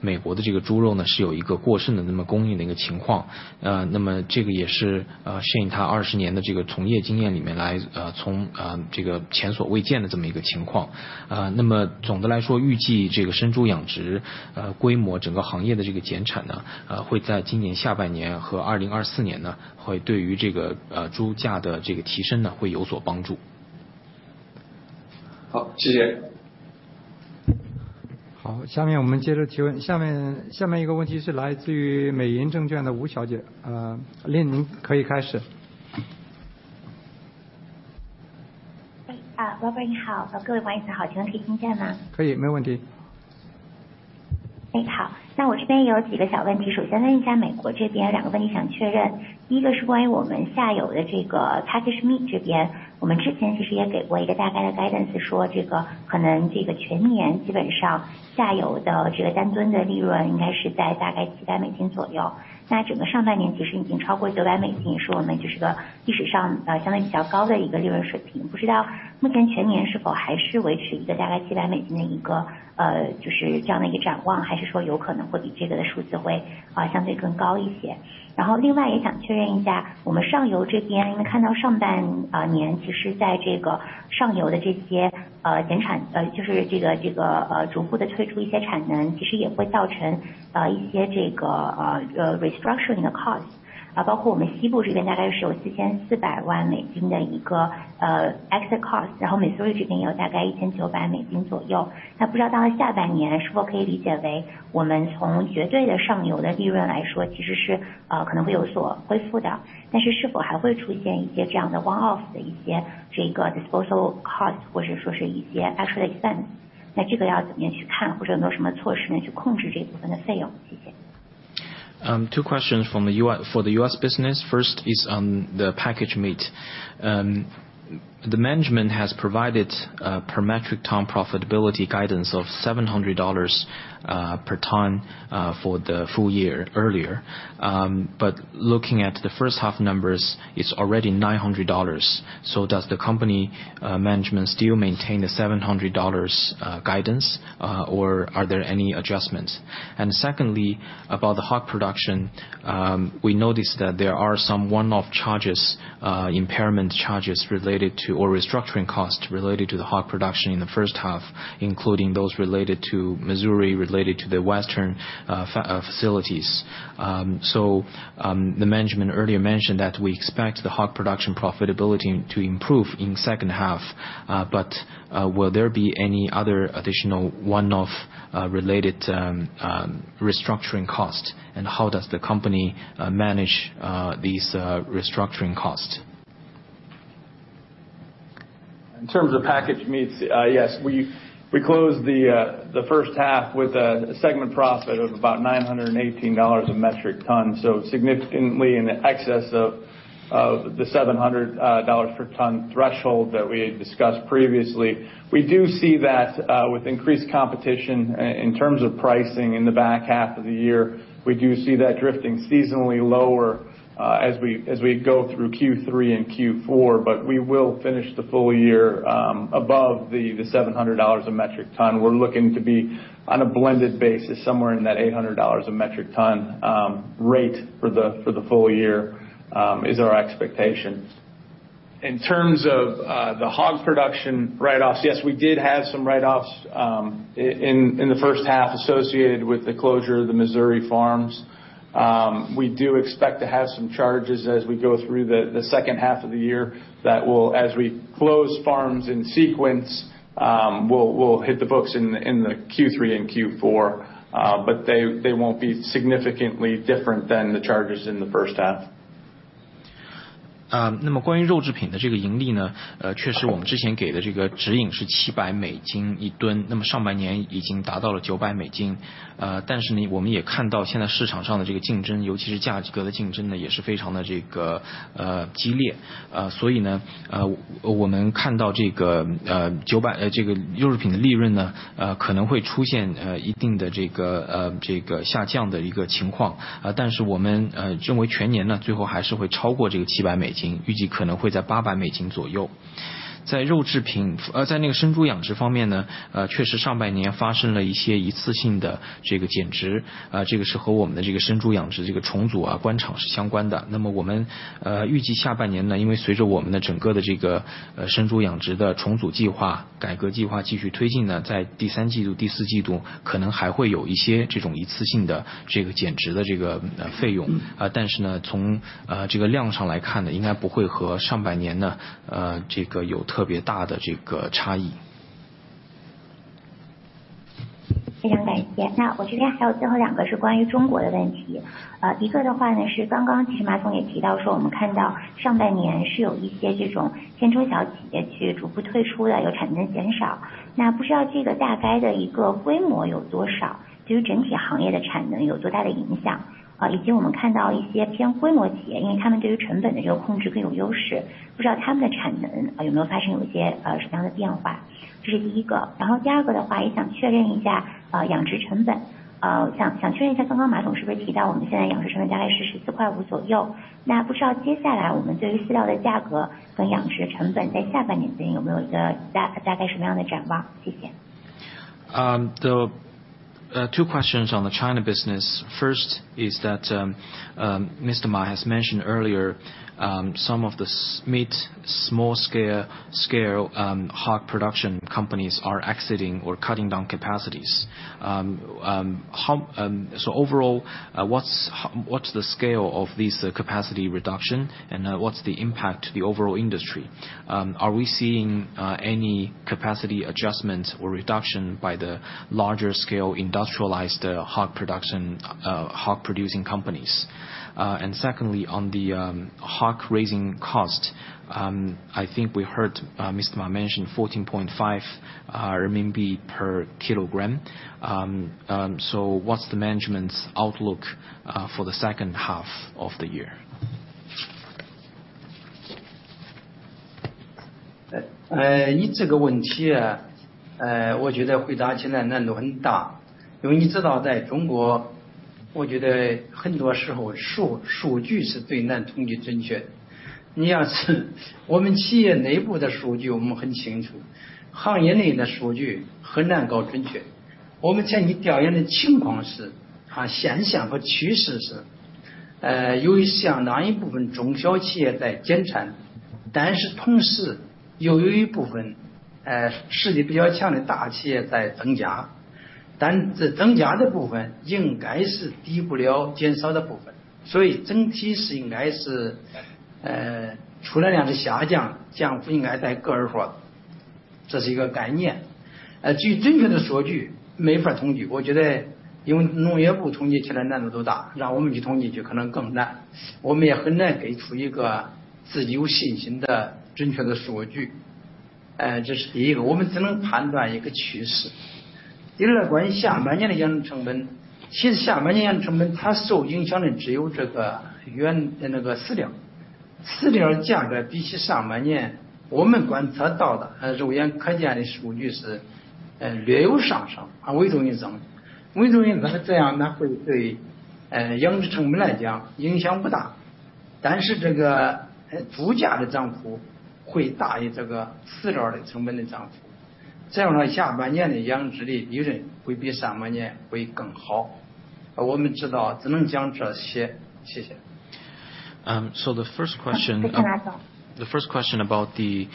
下面我们接着提问。下 面， 下面一个问题是来自于美银证券的吴小姐。呃， 琳， 您可以开始。Robert 你 好， 各位管理 好， 请问可以听见 吗？ 可 以， 没问题。哎， 好， 那我这边有几个小问 题， 首先问一下美国这边两个问题想确认，一个是关于我们下游的这个 package meat 这 边， 我们之前其实也给过一个大概的 guidance， 说这个可能这个全年基本上下游的这个单吨的利润应该是在大概七百美金左 右， 那整个上半年其实已经超过九百美 金， 也是我们就是一个历史 上， 呃， 相对比较高的一个利润水平。不知道目前全年是否还是维持一个大概七百美金的一 个， 呃， 就是这样的一个展 望， 还是说有可能会比这个的数字 会， 呃， 相对更高一 些？ 然后另外也想确认一 下， 我们上游这 边， 因为看到上 半， 呃， 年， 其实在这个上游的这 些， 呃， 减 产， 呃， 就是这 个， 这 个， 呃， 逐步地退出一些产 能， 其实也会造 成， 呃， 一些这 个， 呃， 呃 ，restructuring 的 costs， 呃， 包括我们西部这边大概是有四千四百万美金的一 个， 呃 ，extra cost， 然后 Missouri 这边也有大概一千九百美金左右。那不知道到了下半年是否可以理解为我们从绝对的上游的利润来 说， 其实 是， 呃， 可能会有所恢复 的， 但是是否还会出现一些这样的 one-off 的一些这个 disposal cost， 或是说是一些 extra expense， 那这个要怎么样去 看， 或者有什么措施去控制这部分的费 用？ 谢谢。Two questions for the U.S. business. First is on the packaged meats. The management has provided per metric ton profitability guidance of $700 per ton for the full year earlier. Looking at the first half numbers, it's already $900. Does the company management still maintain the $700 guidance, or are there any adjustments? Secondly, about the hog production, we noticed that there are some one-off charges, impairment charges related to or restructuring costs related to the hog production in the first half, including those related to Missouri, related to the western facilities. The management earlier mentioned that we expect the hog production profitability to improve in second half. Will there be any other additional one-off, related, restructuring costs? How does the company manage these restructuring costs? In terms of packaged meats, yes, we closed the first half with a segment profit of about $918 a metric ton, significantly in excess of the $700 per ton threshold that we had discussed previously. We do see that with increased competition in terms of pricing in the back half of the year, we do see that drifting seasonally lower as we go through Q3 and Q4. We will finish the full year above the $700 a metric ton. We're looking to be on a blended basis, somewhere in that $800 a metric ton rate for the full year is our expectation. In terms of the hog production write-offs, yes, we did have some write-offs, in, in the first half associated with the closure of the Missouri farms. We do expect to have some charges as we go through the, the second half of the year. That will-- as we close farms in sequence, we'll, will hit the books in the, in the Q3 and Q4, but they, they won't be significantly different than the charges in the first half. 关于肉制品的这个盈利 呢， 确实我们之前给的这个指引是 $700 1 ton， 那么上半年已经达到了 $900。我们也看到现在市场上的这个竞 争， 尤其是价格的竞争 呢， 也是非常的这个激烈。我们看到这个 900。呃， 这个肉制品利润 呢， 呃， 可能会出 现， 呃， 一定的这 个， 呃， 这个下降的一个情况。呃， 但是我 们， 呃， 认为全年 呢， 最后还是会超过这个七百美金，预计可能会在八百美金左右。在肉制 品， 呃， 在那个生猪养殖方面 呢， 呃， 确实上半年发生了一些一次性的这个减 值， 呃， 这个是和我们的这个生猪养殖这个重组 啊， 关厂是相关的。那么我 们， 呃， 预计下半年 呢， 因为随着我们的整个的这 个， 呃， 生猪养殖的重组计 划， 改革计划继续推进 呢， 在第三季 度， 第四季度可能还会有一些这种一次性的这个减值的这个费用。呃， 但是 呢， 从， 呃， 这个量上来看 呢， 应该不会和上半年 呢， 呃， 这个有特别大的这个差异。非常感谢。那我这边还有最后两个是关于中国的问题。呃， 一个的话 呢， 是刚刚其实马总也提到 说， 我们看到上半年是有一些这种千中小企业去逐步退出 的， 有产能减 少， 那不知道这个大概的一个规模有多 少， 对于整体行业的产能有多大的影响？以及我们看到一些偏规模企 业， 因为他们对于成本的这个控制更有优 势， 不知道他们的产能 呃， 有没有发生有一 些， 呃， 什么样的变 化， 这是第一个。然后第二个的 话， 也想确认一 下， 呃， 养殖成本。呃， 想， 想确认一 下， 刚刚马总是不是提到我们现在养殖成本大概是十四块五左 右， 那不知道接下来我们对于饲料的价格跟养殖成本在下半年里面有没有一个大-大概什么样的展 望？ 谢谢。The two questions on the China business. First is that Mr. Ma has mentioned earlier, some of the small scale hog production companies are exiting or cutting down capacities. Overall, what's the scale of this capacity reduction, and what's the impact to the overall industry? Are we seeing any capacity adjustments or reduction by the larger scale industrialized hog production, hog producing companies? Secondly, on the hog raising cost, I think we heard Mr. Ma mention 14.5 RMB per kilogram. What's the management's outlook for the second half of the year? 你这个问题 啊， 我觉得回答起来难度很 大， 因为你知道在 China ，我觉得很多时候数据是最难统计准确的。你要是我们企业内部的数据我们很清 楚， 行业内的数据很难搞准确。我们在你调研的情况 是， 现象和趋势 是， 由于相当一部分中小企业在减 产， 但是同时又有一部 分， 实力比较强的大企业在增加，但这增加的部分应该是抵不了减少的部 分， 所以整体是应该 是， 除了2个下 降， 降幅应该在个位 数， 这是一个概念。而至于准确的数 据， 没法统 计， 我觉得因为 Ministry of Agriculture 统计起来难度都 大， 让我们去统计就可能更 难， 我们也很难给出一个自己有信心的准确的数据。这是第一 个， 我们只能判断一个趋势。一个是关于下半年的养殖成 本， 其实下半年养殖成本它受影响的只有这个那个饲 料， 饲料价格比起上半年我们观测到 的， 肉眼可见的数据 是， 略有上 升， 微众增 长， 微众增长这样那会 对， 养殖成本来讲影响不 大， 但是这 个， 猪价的涨幅会大于这个饲料的成本的涨 幅， 这样呢下半年的养殖的利润会比上半年会更好。我们知道只能讲这 些， 谢谢。The first question. 谢谢马总。The first question about the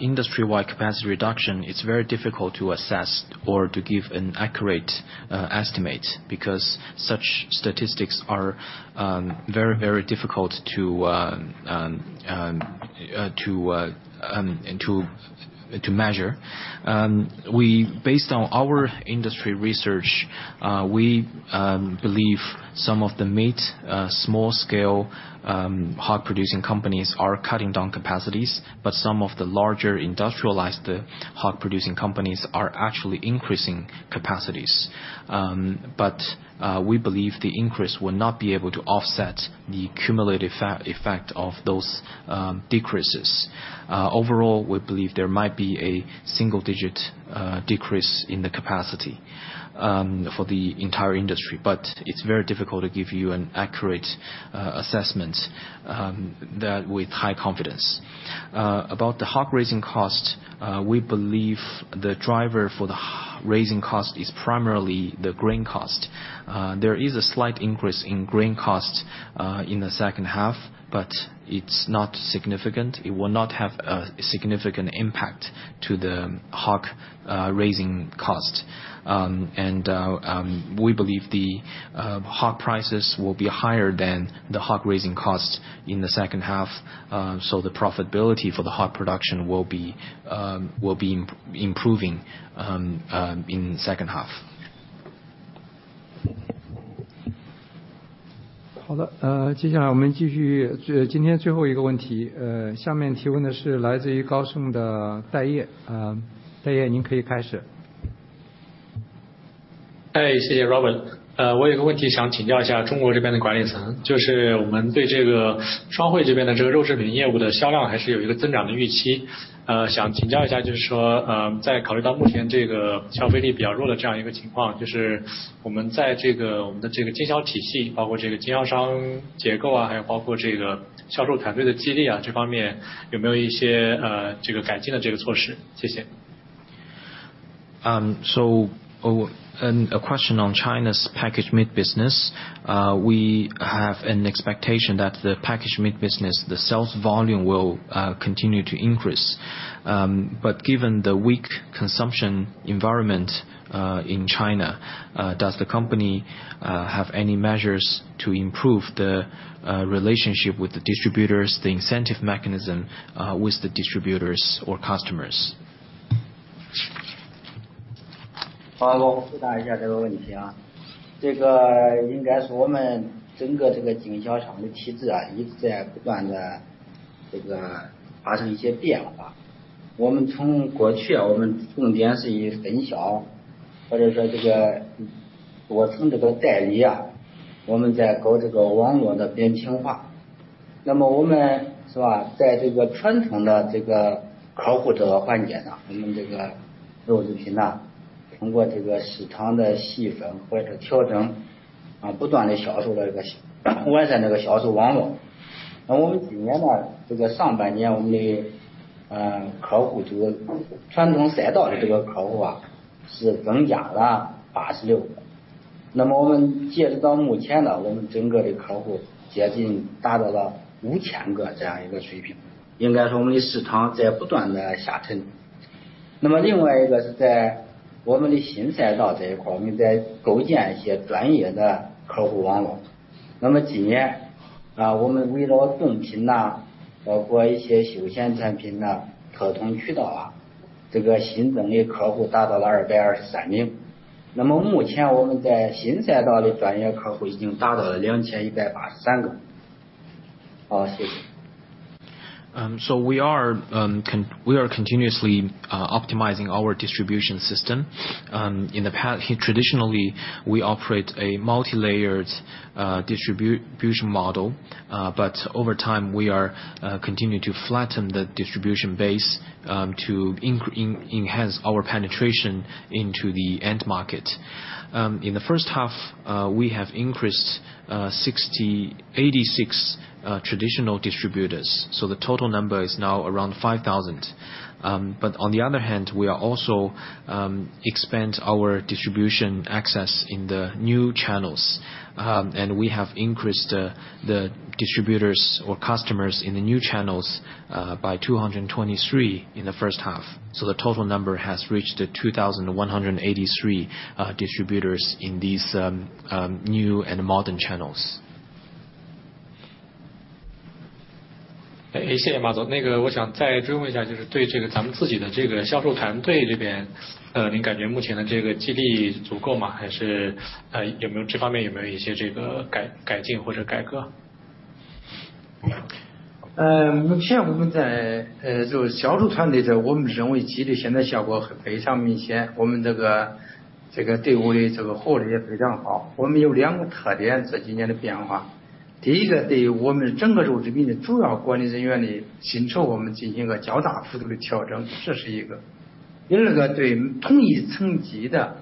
industry-wide capacity reduction, it's very difficult to assess or to give an accurate estimate, because such statistics are very, very difficult to to measure. Based on our industry research, we believe some of the meat, small-scale hog producing companies are cutting down capacities, but some of the larger industrialized hog producing companies are actually increasing capacities. We believe the increase will not be able to offset the cumulative effect of those decreases. Overall, we believe there might be a single-digit decrease in the capacity. For the entire industry, it's very difficult to give you an accurate assessment that with high confidence. About the hog raising cost, we believe the driver for the raising cost is primarily the grain cost. There is a slight increase in grain costs in the second half, but it's not significant, it will not have a significant impact to the hog raising cost. We believe the hog prices will be higher than the hog raising costs in the second half, the profitability for the hog production will be improving in the second half. 好 的， 接下来我们继 续， 今天最后一个问 题， 下面提问的是来自于 Goldman Sachs 的戴 业， 戴 业， 您可以开始。哎， 谢谢 Robert。我有一个问题想请教一下中国这边的管理 层， 就是我们对这个双汇这边的这个肉制品业务的销量还是有一个增长的预期。想请教一 下， 就是 说， 在考虑到目前这个消费力比较弱的这样一个情 况， 就是我们在这 个， 我们的这个经销体 系， 包括这个经销商结构 啊， 还有包括这个销售团队的激励 啊， 这方面有没有一 些， 这个改进的这个措 施？ 谢谢。A question on China's packaged meat business, we have an expectation that the packaged meat business, the sales volume will continue to increase. Given the weak consumption environment in China, does the company have any measures to improve the relationship with the distributors, the incentive mechanism with the distributors or customers? 好， 我回答一下这个问题啊。这个应该是我们整个这个经销场的体制 啊， 一直在不断地这个发生一些变化。我们从过去我们重点是以分 销， 或者说这个多层这个代理 啊， 我们在搞这个网络的扁平 化， 那么我们是 吧， 在这个传统的这个客户这个环节 呢， 我们这个肉制品呢，通过这个市场的细分或者调 整， 啊， 不断地销售这个完善这个销售网络。那么我们今年 呢， 这个上半 年， 我们 的， 呃， 客 户， 这个传统赛道的这个客户 啊， 是增加了八十六 个， 那么我们截止到目前 呢， 我们整个的客户接近达到了五千个这样一个水 平， 应该是我们的市场在不断地下沉。那么另外一个是在我们的新赛道这一 块， 我们在构建一些专业的客户网 络， 那么今 年， 啊， 我们围绕冻品 啊， 包括一些休闲产品 呢， 特通渠道 啊， 这个新增加的客户达到了二百二十三名。那么目前我们在新赛道的专业客户已经达到了两千一百八十三个。好，谢谢。We are continuously optimizing our distribution system. In the past, traditionally, we operate a multi-layered distribution model, but over time, we are continuing to flatten the distribution base to enhance our penetration into the end market. In the first half, we have increased 86 traditional distributors, so the total number is now around 5,000. On the other hand, we are also expand our distribution access in the new channels, and we have increased the distributors or customers in the new channels by 223 in the first half, so the total number has reached 2,183 distributors in these new and modern channels. 谢谢 马总， 那个我想再追问一 下， 就是对这个咱们自己的这个销售团队这 边， 您感觉目前的这个激励足够 吗？ 还 是， 有没有这方面有没有一些这个改进或者改 革？ 目前我们 在， 这个销售团队 的， 我们认为激励现在效果非常明 显， 我们这 个， 这个队伍的这个活力也非常好。我们有两个特 点， 这几年的变化，第一 个， 对我们整个肉制品的主要管理人员的薪 酬， 我们进行了较大幅度的调 整， 这是一个。第二 个， 对同一层级 的，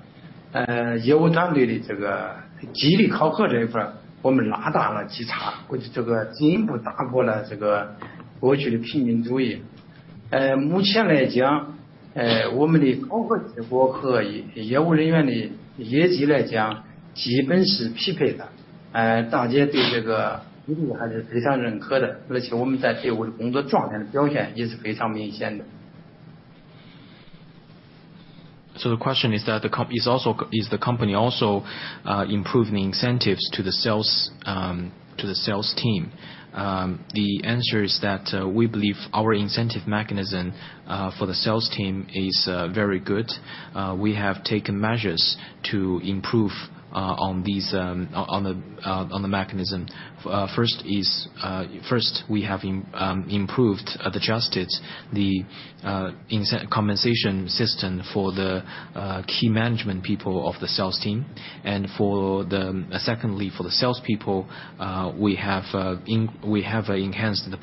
业务团队的这个激励考核这一 块， 我们拉大了基 差， 或者这个进一步打破了这个过去的平均主义。目前来 讲， 我们的考核结果和业务人员的业绩来 讲， 基本是匹配的，大家对这个还是非常认可 的， 而且我们在队伍的工作状态的表现也是非常明显的。The question is that is the company also, improve the incentives to the sales, to the sales team? The answer is that we believe our incentive mechanism for the sales team is very good. We have taken measures to improve, ah, on these, on the, on the mechanism. First is, first, we have improved, adjusted the compensation system for the key management people of the sales team. For the secondly, for the salespeople, we have enhanced the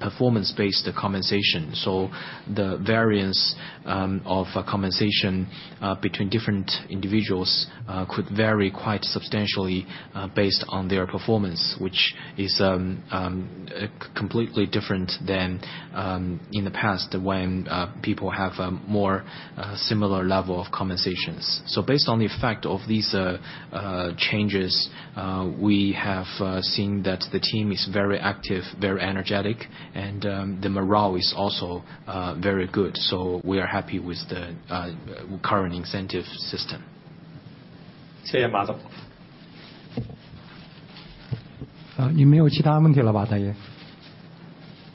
performance based compensation, so the variance of compensation between different individuals could vary quite substantially based on their performance, which is completely different than in the past, when people have a more similar level of compensations. Based on the effect of these changes, we have seen that the team is very active, very energetic, and the morale is also very good. We are happy with the current incentive system. 谢谢马总。好， 你没有其他问题了 吧， 戴业。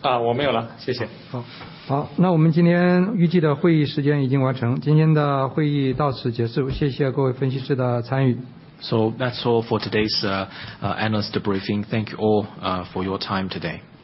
我没有 了， 谢谢。好， 好， 那我们今天预计的会议时间已经完 成， 今天的会议到此结 束， 谢谢各位分析师的参与。That's all for today's analyst briefing. Thank you all for your time today.